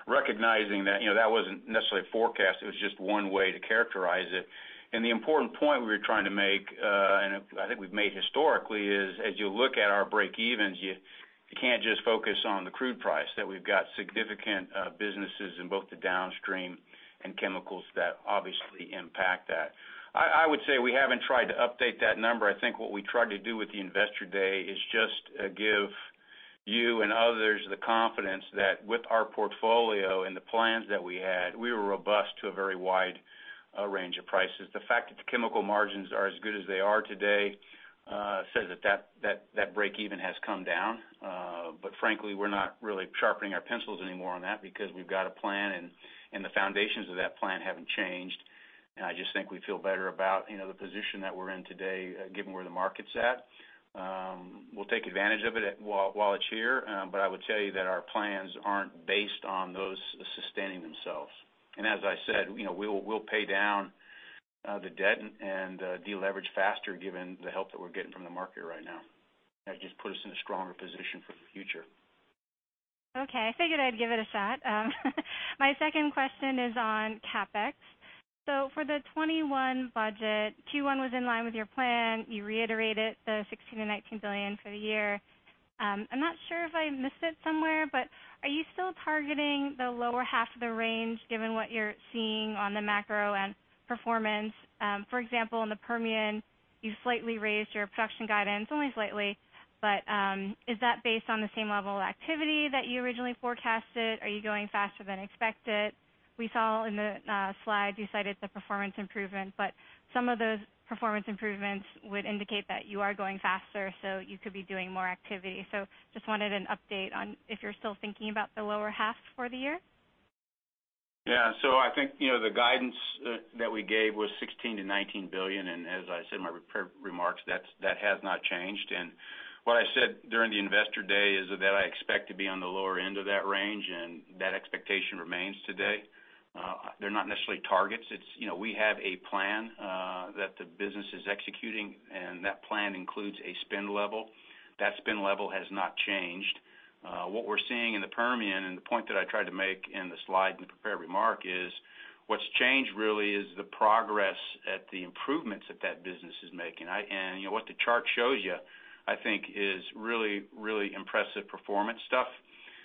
Recognizing that that wasn't necessarily forecast, it was just one way to characterize it. The important point we were trying to make, and I think we've made historically, is as you look at our breakeven, you can't just focus on the crude price, that we've got significant businesses in both the downstream and chemicals that obviously impact that. I would say we haven't tried to update that number. I think what we tried to do with the Investor Day is just give you and others the confidence that with our portfolio and the plans that we had, we were robust to a very wide range of prices. The fact that the chemical margins are as good as they are today says that that breakeven has come down. Frankly, we're not really sharpening our pencils anymore on that because we've got a plan and the foundations of that plan haven't changed. I just think we feel better about the position that we're in today, given where the market's at. We'll take advantage of it while it's here. I would tell you that our plans aren't based on those sustaining themselves. As I said, we'll pay down the debt and de-leverage faster given the help that we're getting from the market right now. That just puts us in a stronger position for the future. Okay. I figured I'd give it a shot. My second question is on CapEx. For the 2021 budget, Q1 was in line with your plan. You reiterated the $16 billion-$19 billion for the year. I'm not sure if I missed it somewhere, but are you still targeting the lower half of the range given what you're seeing on the macro and performance? For example, in the Permian, you slightly raised your production guidance, only slightly, but is that based on the same level of activity that you originally forecasted? Are you going faster than expected? We saw in the slides you cited the performance improvement, but some of those performance improvements would indicate that you are going faster, so you could be doing more activity. Just wanted an update on if you're still thinking about the lower half for the year. Yeah. I think the guidance that we gave was $16 billion-$19 billion, and as I said in my prepared remarks, that has not changed. What I said during the Investor Day is that I expect to be on the lower end of that range, and that expectation remains today. They're not necessarily targets. We have a plan that the business is executing, and that plan includes a spend level. That spend level has not changed. What we're seeing in the Permian, and the point that I tried to make in the slide in the prepared remark is what's changed really is the progress at the improvements that that business is making. What the chart shows you, I think, is really impressive performance stuff.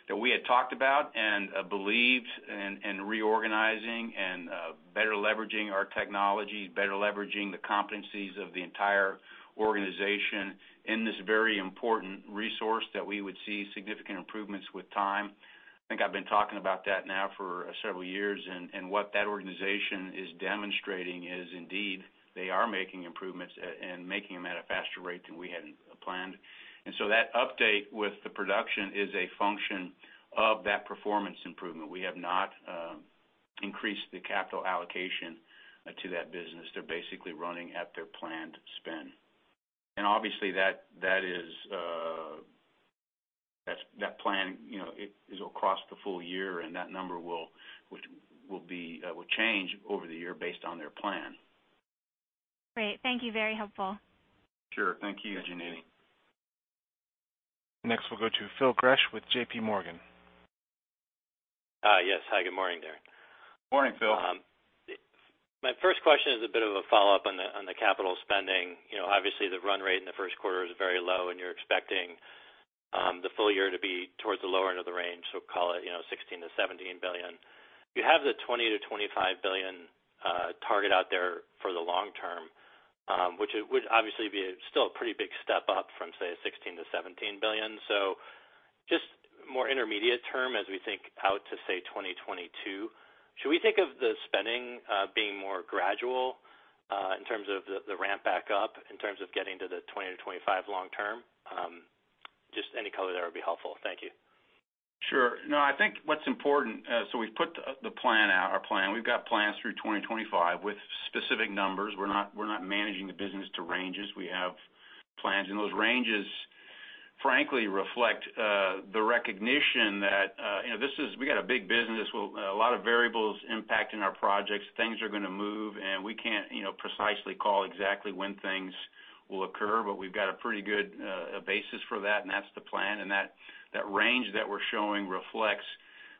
That we had talked about and believed in reorganizing and better leveraging our technology, better leveraging the competencies of the entire organization in this very important resource that we would see significant improvements with time. I think I've been talking about that now for several years, and what that organization is demonstrating is indeed, they are making improvements and making them at a faster rate than we had planned. That update with the production is a function of that performance improvement. We have not increased the capital allocation to that business. They're basically running at their planned spend. Obviously that plan is across the full year, and that number will change over the year based on their plan. Great. Thank you. Very helpful. Sure. Thank you, Jeanine. Next we'll go to Phil Gresh with JPMorgan. Yes. Hi, good morning, Darren. Morning, Phil. My first question is a bit of a follow-up on the capital spending. The run rate in the first quarter is very low, and you're expecting the full year to be towards the lower end of the range. Call it $16 billion-$17 billion. You have the $20 billion-$25 billion target out there for the long-term, which would obviously be still a pretty big step up from, say, $16 billion-$17 billion. Just more intermediate term, as we think out to, say, 2022, should we think of the spending being more gradual in terms of the ramp back up, in- terms of getting to the 2025 long-term? Just any color there would be helpful. Thank you. Sure. No, I think what's important. We've put our plan. We've got plans through 2025 with specific numbers. We're not managing the business to ranges. We have plans, and those ranges, frankly, reflect the recognition that we've got a big business with a lot of variables impacting our projects. Things are going to move, and we can't precisely call exactly when things will occur, but we've got a pretty good basis for that, and that's the plan. That range that we're showing reflects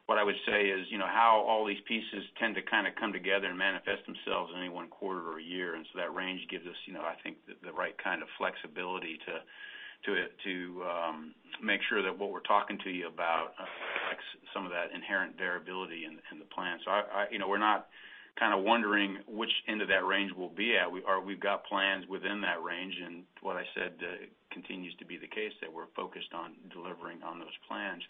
what I would say is how all these pieces tend to kind of come together and manifest themselves in any one quarter or year. That range gives us I think the right kind of flexibility to make sure that what we're talking to you about reflects some of that inherent variability in the plan. We're not kind of wondering which end of that range we'll be at. We've got plans within that range, and what I said continues to be the case, that we're focused on delivering on those plans.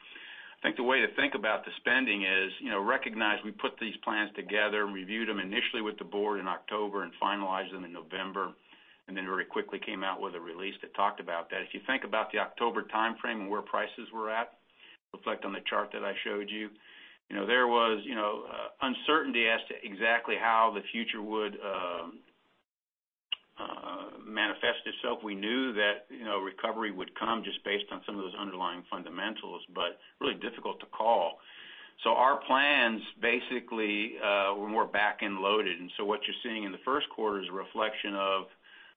I think the way to think about the spending is recognize we put these plans together and reviewed them initially with the board in October and finalized them in November, and then very quickly came out with a release that talked about that. If you think about the October timeframe and where prices were at, reflect on the chart that I showed you. There was uncertainty as to exactly how the future would manifest itself. We knew that recovery would come just based on some of those underlying fundamentals, but really difficult to call. Our plans basically were more back-end loaded. What you're seeing in the first quarter is a reflection of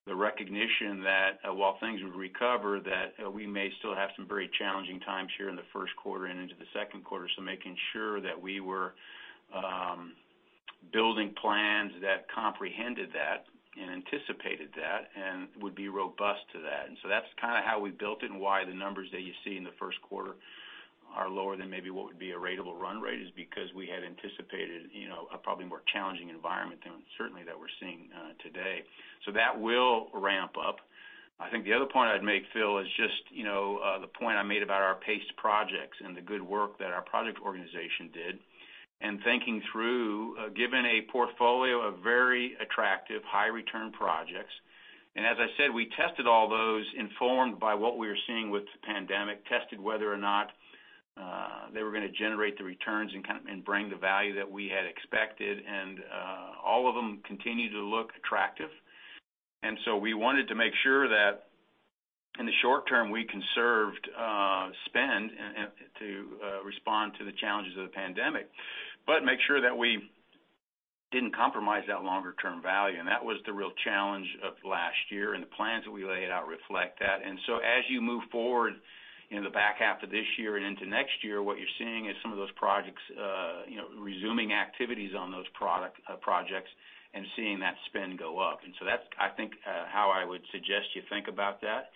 the recognition that while things would recover, that we may still have some very challenging times here in the first quarter and into the second quarter. Making sure that we were building plans that comprehended that and anticipated that and would be robust to that. That's kind of how we built it and why the numbers that you see in the first quarter are lower than maybe what would be a ratable run rate is because we had anticipated a probably more challenging environment than certainly that we're seeing today. That will ramp up. I think the other point I'd make, Phil, is just the point I made about our paced projects and the good work that our project organization did. Thinking through, given a portfolio of very attractive, high return projects, as I said, we tested all those informed by what we were seeing with the pandemic, tested whether or not they were going to generate the returns and bring the value that we had expected. All of them continue to look attractive. We wanted to make sure that in the short-term, we conserved spend to respond to the challenges of the pandemic, but make sure that we didn't compromise that longer-term value. That was the real challenge of last year. The plans that we laid out reflect that. As you move forward in the back half of this year and into next year, what you're seeing is some of those projects, resuming activities on those projects and seeing that spend go up. That's I think how I would suggest you think about that,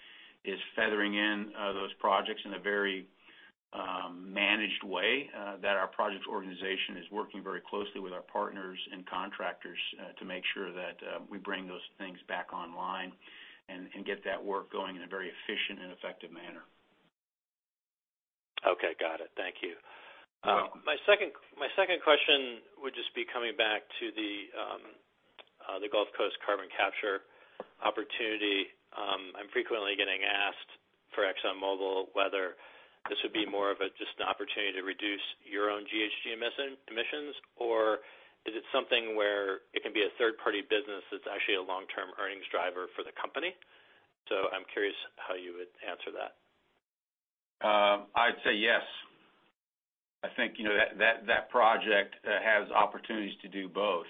is feathering in those projects in a very managed way that our projects organization is working very closely with our partners and contractors to make sure that we bring those things back online and get that work going in a very efficient and effective manner. Okay. Got it. Thank you. You're welcome. My second question would just be coming back to the Gulf Coast carbon capture opportunity. I'm frequently getting asked for Exxon Mobil whether this would be more of just an opportunity to reduce your own GHG emissions, or is it something where it can be a third-party business that's actually a long-term earnings driver for the company? I'm curious how you would answer that. I'd say yes. I think that project has opportunities to do both.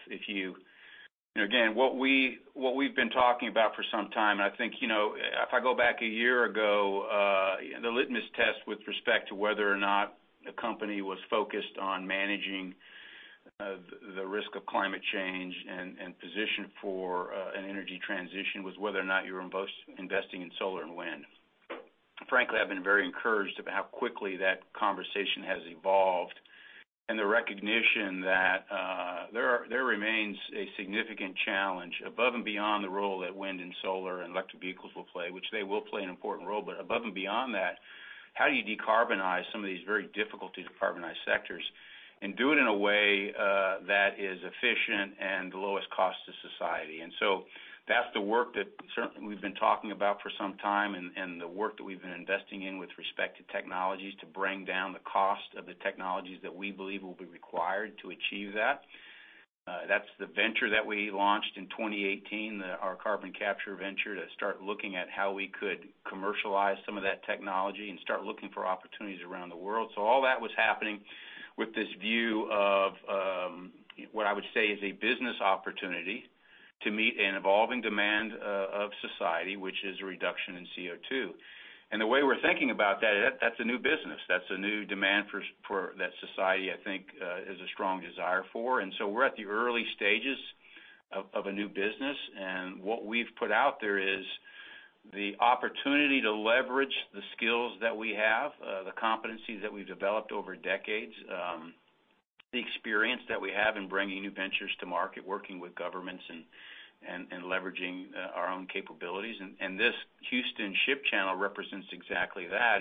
What we've been talking about for some time, and I think if I go back a year ago, the litmus test with respect to whether or not a company was focused on managing the risk of climate change and position for an energy transition was whether or not you were investing in solar and wind. Frankly, I've been very encouraged about how quickly that conversation has evolved, and the recognition that there remains a significant challenge above and beyond the role that wind and solar and electric vehicles will play, which they will play an important role, but above and beyond that, how do you decarbonize some of these very difficult to decarbonize sectors and do it in a way that is efficient and the lowest cost to society? That's the work that certainly we've been talking about for some time and the work that we've been investing in with respect to technologies to bring down the cost of the technologies that we believe will be required to achieve that. That's the venture that we launched in 2018, our carbon capture venture, to start looking at how we could commercialize some of that technology and start looking for opportunities around the world. All that was happening with this view of what I would say is a business opportunity to meet an evolving demand of society, which is a reduction in CO2. The way we're thinking about that's a new business. That's a new demand that society, I think, has a strong desire for. We're at the early stages of a new business, and what we've put out there is the opportunity to leverage the skills that we have, the competencies that we've developed over decades, the experience that we have in bringing new ventures to market, working with governments and leveraging our own capabilities. This Houston Ship Channel represents exactly that.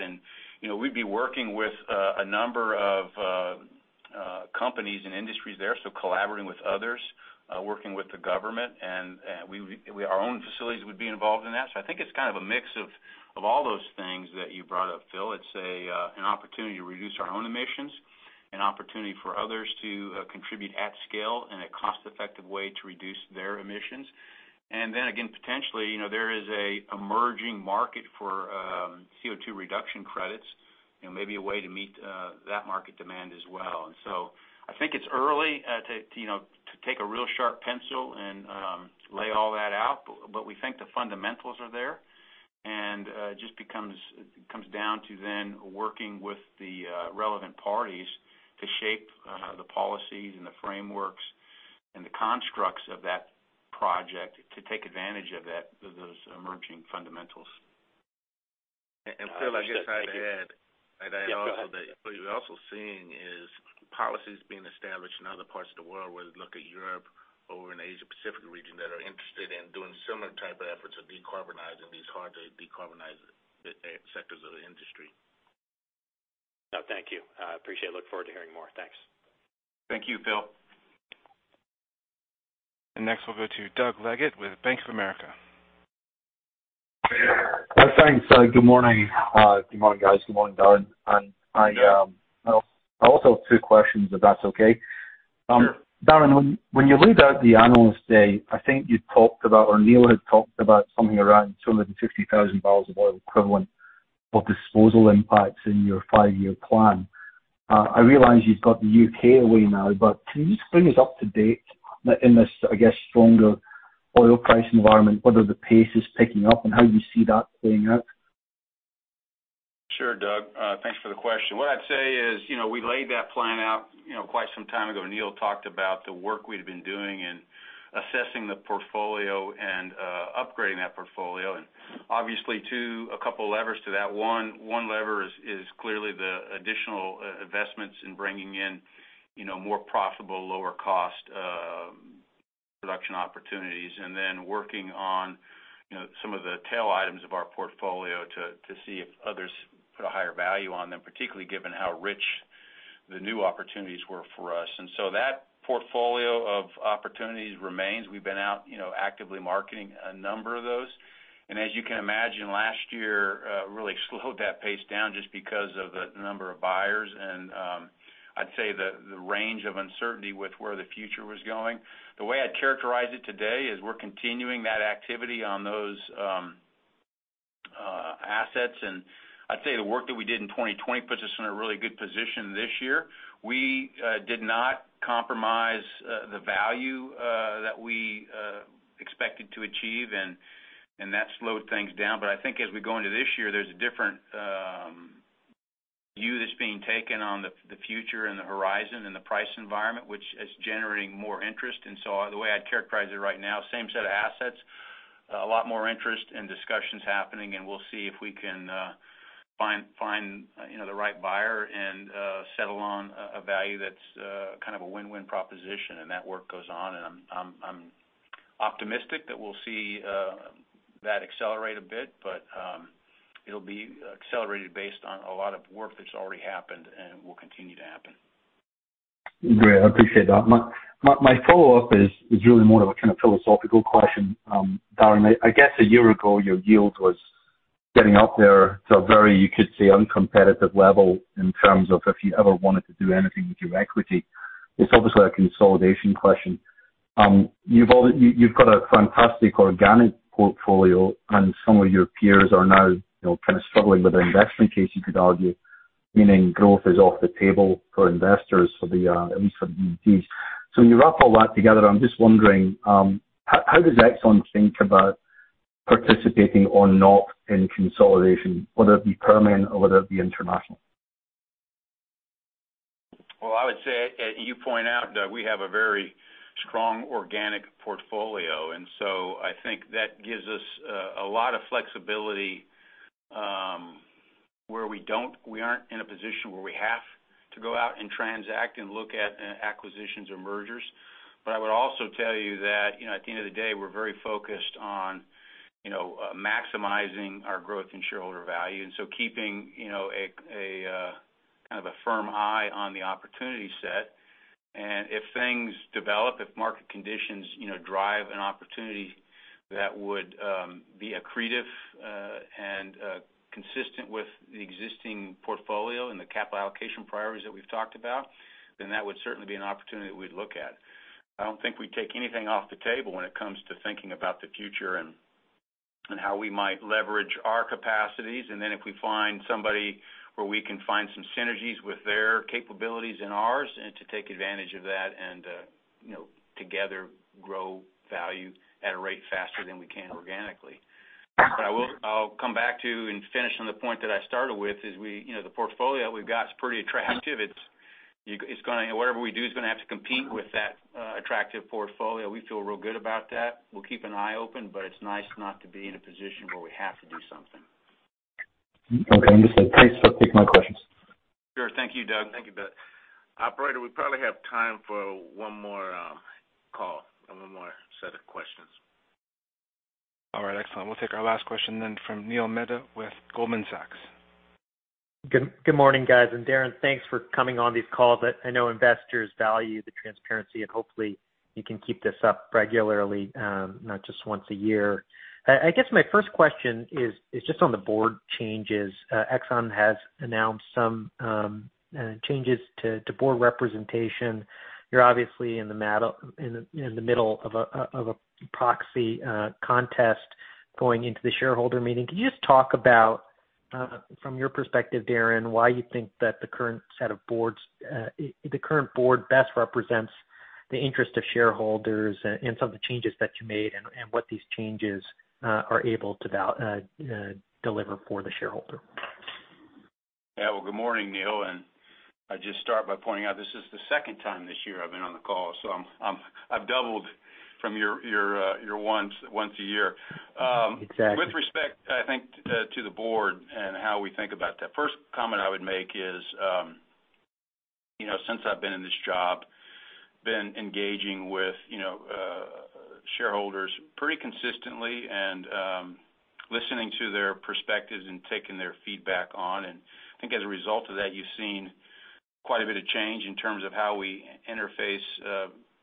We'd be working with a number of companies and industries there, so collaborating with others, working with the government, and our own facilities would be involved in that. I think it's kind of a mix of all those things that you brought up, Phil. It's an opportunity to reduce our own emissions and opportunity for others to contribute at scale in a cost-effective way to reduce their emissions. Then again, potentially, there is an emerging market for CO2 reduction credits and maybe a way to meet that market demand as well. I think it's early to take a real sharp pencil and lay all that out, but we think the fundamentals are there. It just comes down to then working with the relevant parties to shape the policies and the frameworks and the constructs of that project to take advantage of those emerging fundamentals. Phil, I guess I'd add- Yeah, go ahead. What you're also seeing is policies being established in other parts of the world, whether you look at Europe or in Asia Pacific region, that are interested in doing similar type of efforts of decarbonizing these hard-to-decarbonize sectors of the industry. No, thank you. I appreciate it. Look forward to hearing more. Thanks. Thank you, Phil. Next, we'll go to Doug Leggate with Bank of America. Thanks. Good morning. Good morning, guys. Good morning, Darren. I also have two questions, if that's okay. Sure. Darren, when you laid out the Investor Day, I think you talked about, or Neil had talked about something around 250,000 bbl of oil equivalent of disposal impacts in your five-year plan. I realize you've got the U.K. away now, can you just bring us up to date in this, I guess, stronger oil price environment, whether the pace is picking up and how you see that playing out? Sure, Doug. Thanks for the question. What I'd say is, we laid that plan out quite some time ago. Neil talked about the work we'd been doing in assessing the portfolio and upgrading that portfolio. Obviously too, a couple levers to that. One lever is clearly the additional investments in bringing in more profitable, lower cost production opportunities. Working on some of the tail items of our portfolio to see if others put a higher value on them, particularly given how rich the new opportunities were for us. That portfolio of opportunities remains. We've been out actively marketing a number of those. As you can imagine, last year really slowed that pace down just because of the number of buyers and I'd say the range of uncertainty with where the future was going. The way I'd characterize it today is we're continuing that activity on those assets, and I'd say the work that we did in 2020 puts us in a really good position this year. We did not compromise the value that we expected to achieve and that slowed things down. I think as we go into this year, there's a different view that's being taken on the future and the horizon and the price environment, which is generating more interest. The way I'd characterize it right now, same set of assets, a lot more interest and discussions happening, and we'll see if we can find the right buyer and settle on a value that's kind of a win-win proposition. That work goes on, and I'm optimistic that we'll see that accelerate a bit, but it'll be accelerated based on a lot of work that's already happened and will continue to happen. Great. I appreciate that. My follow-up is really more of a kind of philosophical question. Darren, I guess a year ago, your yield was getting up there to a very, you could say, uncompetitive level in terms of if you ever wanted to do anything with your equity. It's obviously a consolidation question. You've got a fantastic organic portfolio and some of your peers are now kind of struggling with their investment case, you could argue, meaning growth is off the table for investors for the, at least for E&Ps. When you wrap all that together, I'm just wondering, how does Exxon think about participating or not in consolidation, whether it be Permian or whether it be international. Well, I would say, you point out that we have a very strong organic portfolio, so I think that gives us a lot of flexibility where we aren't in a position where we have to go out and transact and look at acquisitions or mergers. I would also tell you that at the end of the day, we're very focused on maximizing our growth in shareholder value, keeping a firm eye on the opportunity set. If things develop, if market conditions drive an opportunity that would be accretive and consistent with the existing portfolio and the capital allocation priorities that we've talked about, then that would certainly be an opportunity that we'd look at. I don't think we take anything off the table when it comes to thinking about the future and how we might leverage our capacities. If we find somebody where we can find some synergies with their capabilities and ours, and to take advantage of that and together grow value at a rate faster than we can organically. I'll come back to and finish on the point that I started with is the portfolio we've got is pretty attractive. Whatever we do is going to have to compete with that attractive portfolio. We feel real good about that. We'll keep an eye open, but it's nice not to be in a position where we have to do something. Okay. Understood. Thanks for taking my questions. Sure. Thank you, Doug. Thank you, Phil. Operator, we probably have time for one more call or one more set of questions. All right. Excellent. We'll take our last question then from Neil Mehta with Goldman Sachs. Good morning, guys. Darren, thanks for coming on these calls. I know investors value the transparency, hopefully you can keep this up regularly, not just once a year. I guess my first question is just on the board changes. Exxon has announced some changes to board representation. You're obviously in the middle of a proxy contest going into the shareholder meeting. Could you just talk about, from your perspective, Darren, why you think that the current board best represents the interest of shareholders and some of the changes that you made and what these changes are able to deliver for the shareholder? Yeah. Well, good morning, Neil, I'd just start by pointing out this is the second time this year I've been on the call, so I've doubled from your once a year. Exactly. With respect, I think, to the board and how we think about that, first comment I would make is since I've been in this job, been engaging with shareholders pretty consistently and listening to their perspectives and taking their feedback on. I think as a result of that, you've seen quite a bit of change in terms of how we interface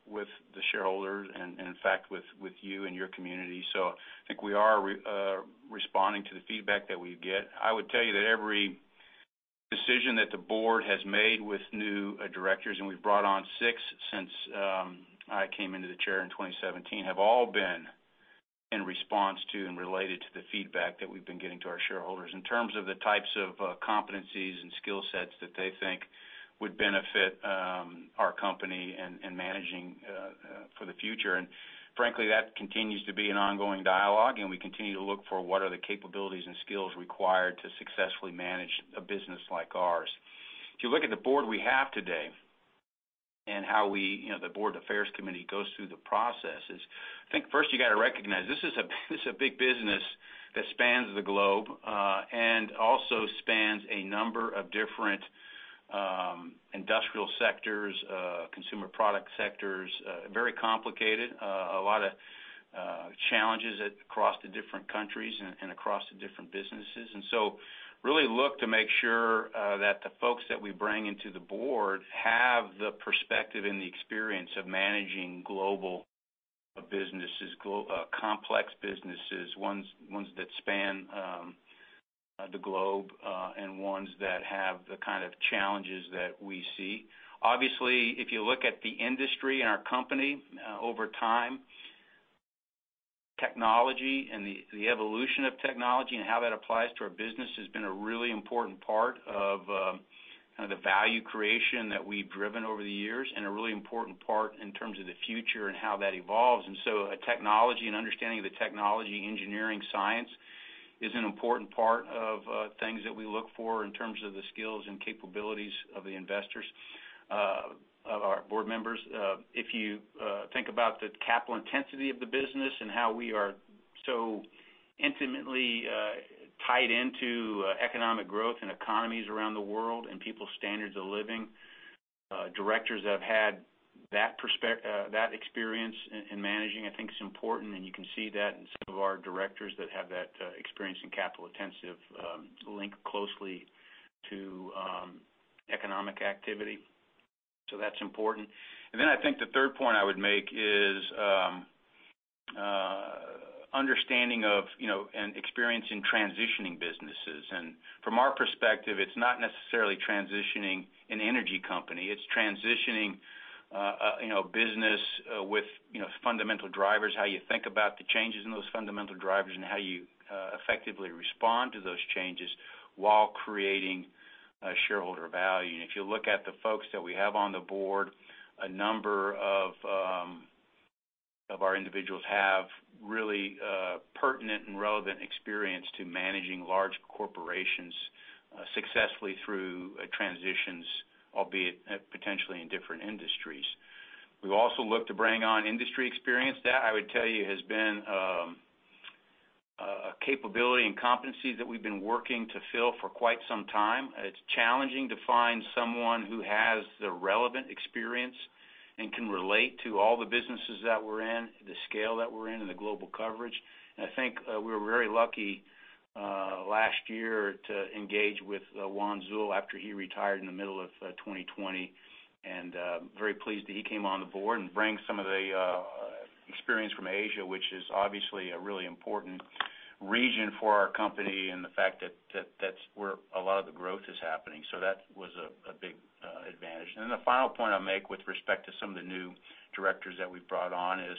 with the shareholders and in fact, with you and your community. I think we are responding to the feedback that we get. I would tell you that every decision that the board has made with new directors, and we've brought on six since I came into the chair in 2017, have all been in response to and related to the feedback that we've been getting to our shareholders in terms of the types of competencies and skill sets that they think would benefit our company and managing for the future. Frankly, that continues to be an ongoing dialogue, and we continue to look for what are the capabilities and skills required to successfully manage a business like ours. If you look at the board we have today and how the board affairs committee goes through the processes, I think first you got to recognize this is a big business that spans the globe and also spans a number of different industrial sectors, consumer product sectors. Very complicated. A lot of challenges across the different countries and across the different businesses. Really look to make sure that the folks that we bring into the board have the perspective and the experience of managing global businesses, complex businesses, ones that span the globe, and ones that have the kind of challenges that we see. Obviously, if you look at the industry and our company over time, technology and the evolution of technology and how that applies to our business has been a really important part of the value creation that we've driven over the years and a really important part in terms of the future and how that evolves. Technology and understanding of the technology engineering science is an important part of things that we look for in terms of the skills and capabilities of the investors, of our board members. If you think about the capital intensity of the business and how we are so intimately tied into economic growth and economies around the world and people's standards of living, directors that have had that experience in managing I think is important, and you can see that in some of our directors that have that experience in capital-intensive link closely to economic activity. That's important. I think the third point I would make is understanding of and experience in transitioning businesses. From our perspective, it's not necessarily transitioning an energy company, it's transitioning a business with fundamental drivers, how you think about the changes in those fundamental drivers and how you effectively respond to those changes while creating-shareholder value. If you look at the folks that we have on the board, a number of our individuals have really pertinent and relevant experience to managing large corporations successfully through transitions, albeit potentially in different industries. We've also looked to bring on industry experience. That, I would tell you, has been a capability and competency that we've been working to fill for quite some time. It's challenging to find someone who has the relevant experience and can relate to all the businesses that we're in, the scale that we're in, and the global coverage. I think we were very lucky last year to engage with Wan Zul after he retired in the middle of 2020, and very pleased that he came on the board and bring some of the experience from Asia, which is obviously a really important region for our company, and the fact that's where a lot of the growth is happening. That was a big advantage. The final point I'll make with respect to some of the new directors that we've brought on is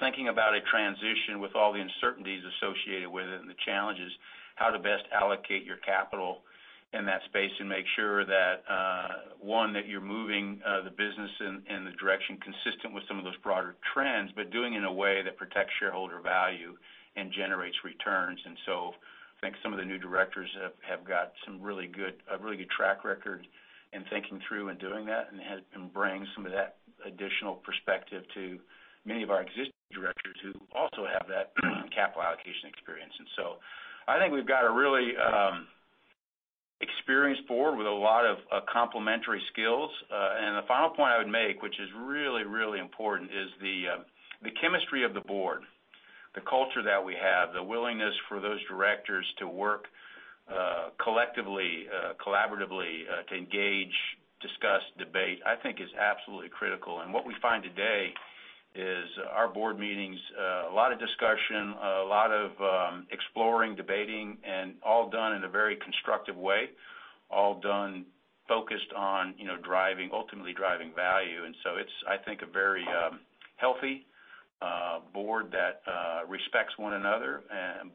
thinking about a transition with all the uncertainties associated with it and the challenges, how to best allocate your capital in that space and make sure that, one, that you're moving the business in the direction consistent with some of those broader trends, but doing it in a way that protects shareholder value and generates returns. I think some of the new directors have got a really good track record in thinking through and doing that and bring some of that additional perspective to many of our existing directors who also have that capital allocation experience. I think we've got a really experienced board with a lot of complementary skills. The final point I would make, which is really, really important, is the chemistry of the board, the culture that we have, the willingness for those directors to work collectively, collaboratively to engage, discuss, debate, I think is absolutely critical. What we find today is our board meetings, a lot of discussion, a lot of exploring, debating, and all done in a very constructive way, all done focused on ultimately driving value. It's, I think, a very healthy board that respects one another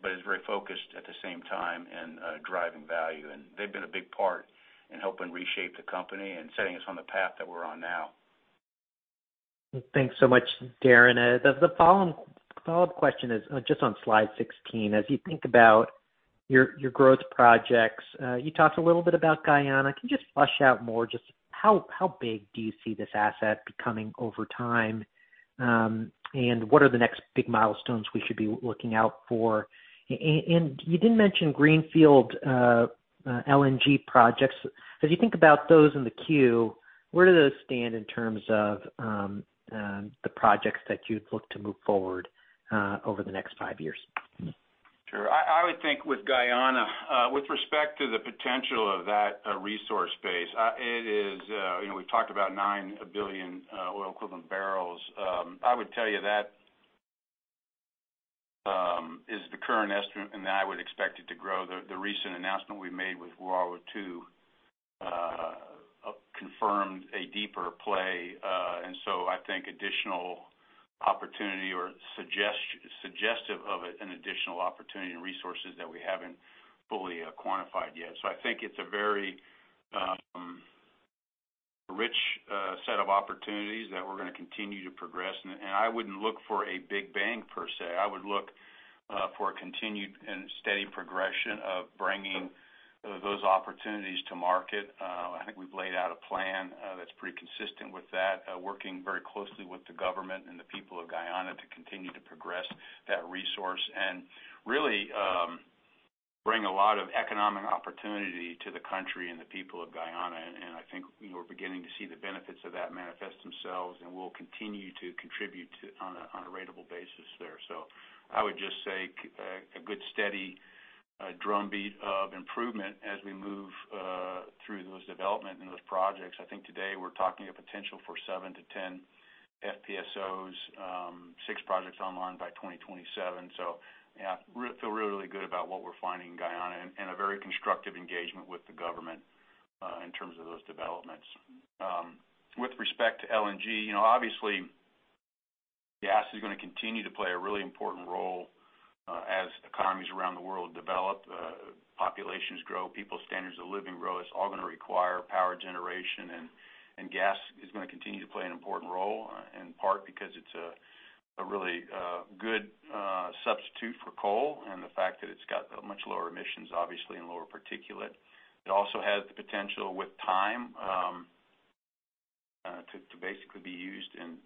but is very focused, at the same time, in driving value. They've been a big part in helping reshape the company and setting us on the path that we're on now. Thanks so much, Darren. The follow-up question is just on slide 16. As you think about your growth projects, you talked a little bit about Guyana. Can you just flesh out more just how big do you see this asset becoming over time? What are the next big milestones we should be looking out for? You did mention greenfield LNG projects. As you think about those in the queue, where do those stand in terms of the projects that you'd look to move forward over the next five years? Sure. I would think with Guyana, with respect to the potential of that resource base, we've talked about 9 billion oil equivalent barrels. I would tell you that is the current estimate, and I would expect it to grow. The recent announcement we made with Uaru-2 confirmed a deeper play. I think additional opportunity or suggestive of an additional opportunity and resources that we haven't fully quantified yet. I think it's a very rich set of opportunities that we're going to continue to progress. I wouldn't look for a big bang per se. I would look for a continued and steady progression of bringing those opportunities to market. I think we've laid out a plan that's pretty consistent with that, working very closely with the government and the people of Guyana to continue to progress that resource and really bring a lot of economic opportunity to the country and the people of Guyana. I think we're beginning to see the benefits of that manifest themselves, and we'll continue to contribute on a ratable basis there. I would just say a good, steady drumbeat of improvement as we move through those development and those projects. I think today we're talking a potential for seven to 10 FPSOs, six projects online by 2027. Yeah, feel really good about what we're finding in Guyana and a very constructive engagement with the government in terms of those developments. With respect to LNG, obviously gas is going to continue to play a really important role as economies around the world develop, populations grow, people's standards of living grow. It's all going to require power generation, and gas is going to continue to play an important role, in part because it's a really good substitute for coal and the fact that it's got much lower emissions, obviously, and lower particulate. It also has the potential with time to basically be used in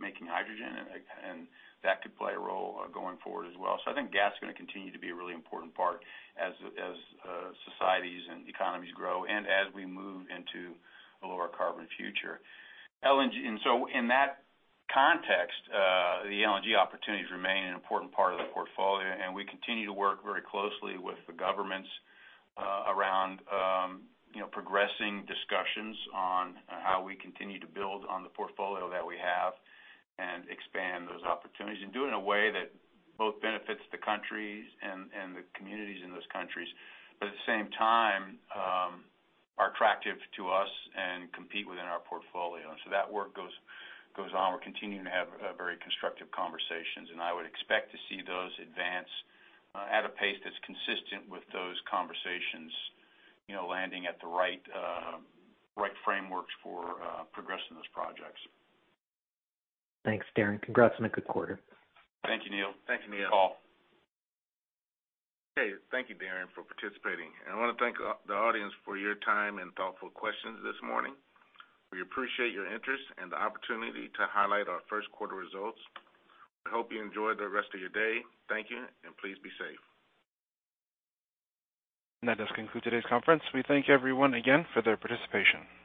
making hydrogen and that could play a role going forward as well. I think gas is going to continue to be a really important part as societies and economies grow and as we move into a lower carbon future. In that context, the LNG opportunities remain an important part of the portfolio, and we continue to work very closely with the governments around progressing discussions on how we continue to build on the portfolio that we have and expand those opportunities and do it in a way that both benefits the countries and the communities in those countries, but at the same time are attractive to us and compete within our portfolio. That work goes on. We're continuing to have very constructive conversations. I would expect to see those advance at a pace that's consistent with those conversations landing at the right frameworks for progressing those projects. Thanks, Darren. Congrats on a good quarter. Thank you, Neil. Thanks for the call. Okay. Thank you, Darren, for participating. I want to thank the audience for your time and thoughtful questions this morning. We appreciate your interest and the opportunity to highlight our first quarter results. I hope you enjoy the rest of your day. Thank you, and please be safe. That does conclude today's conference. We thank everyone again for their participation.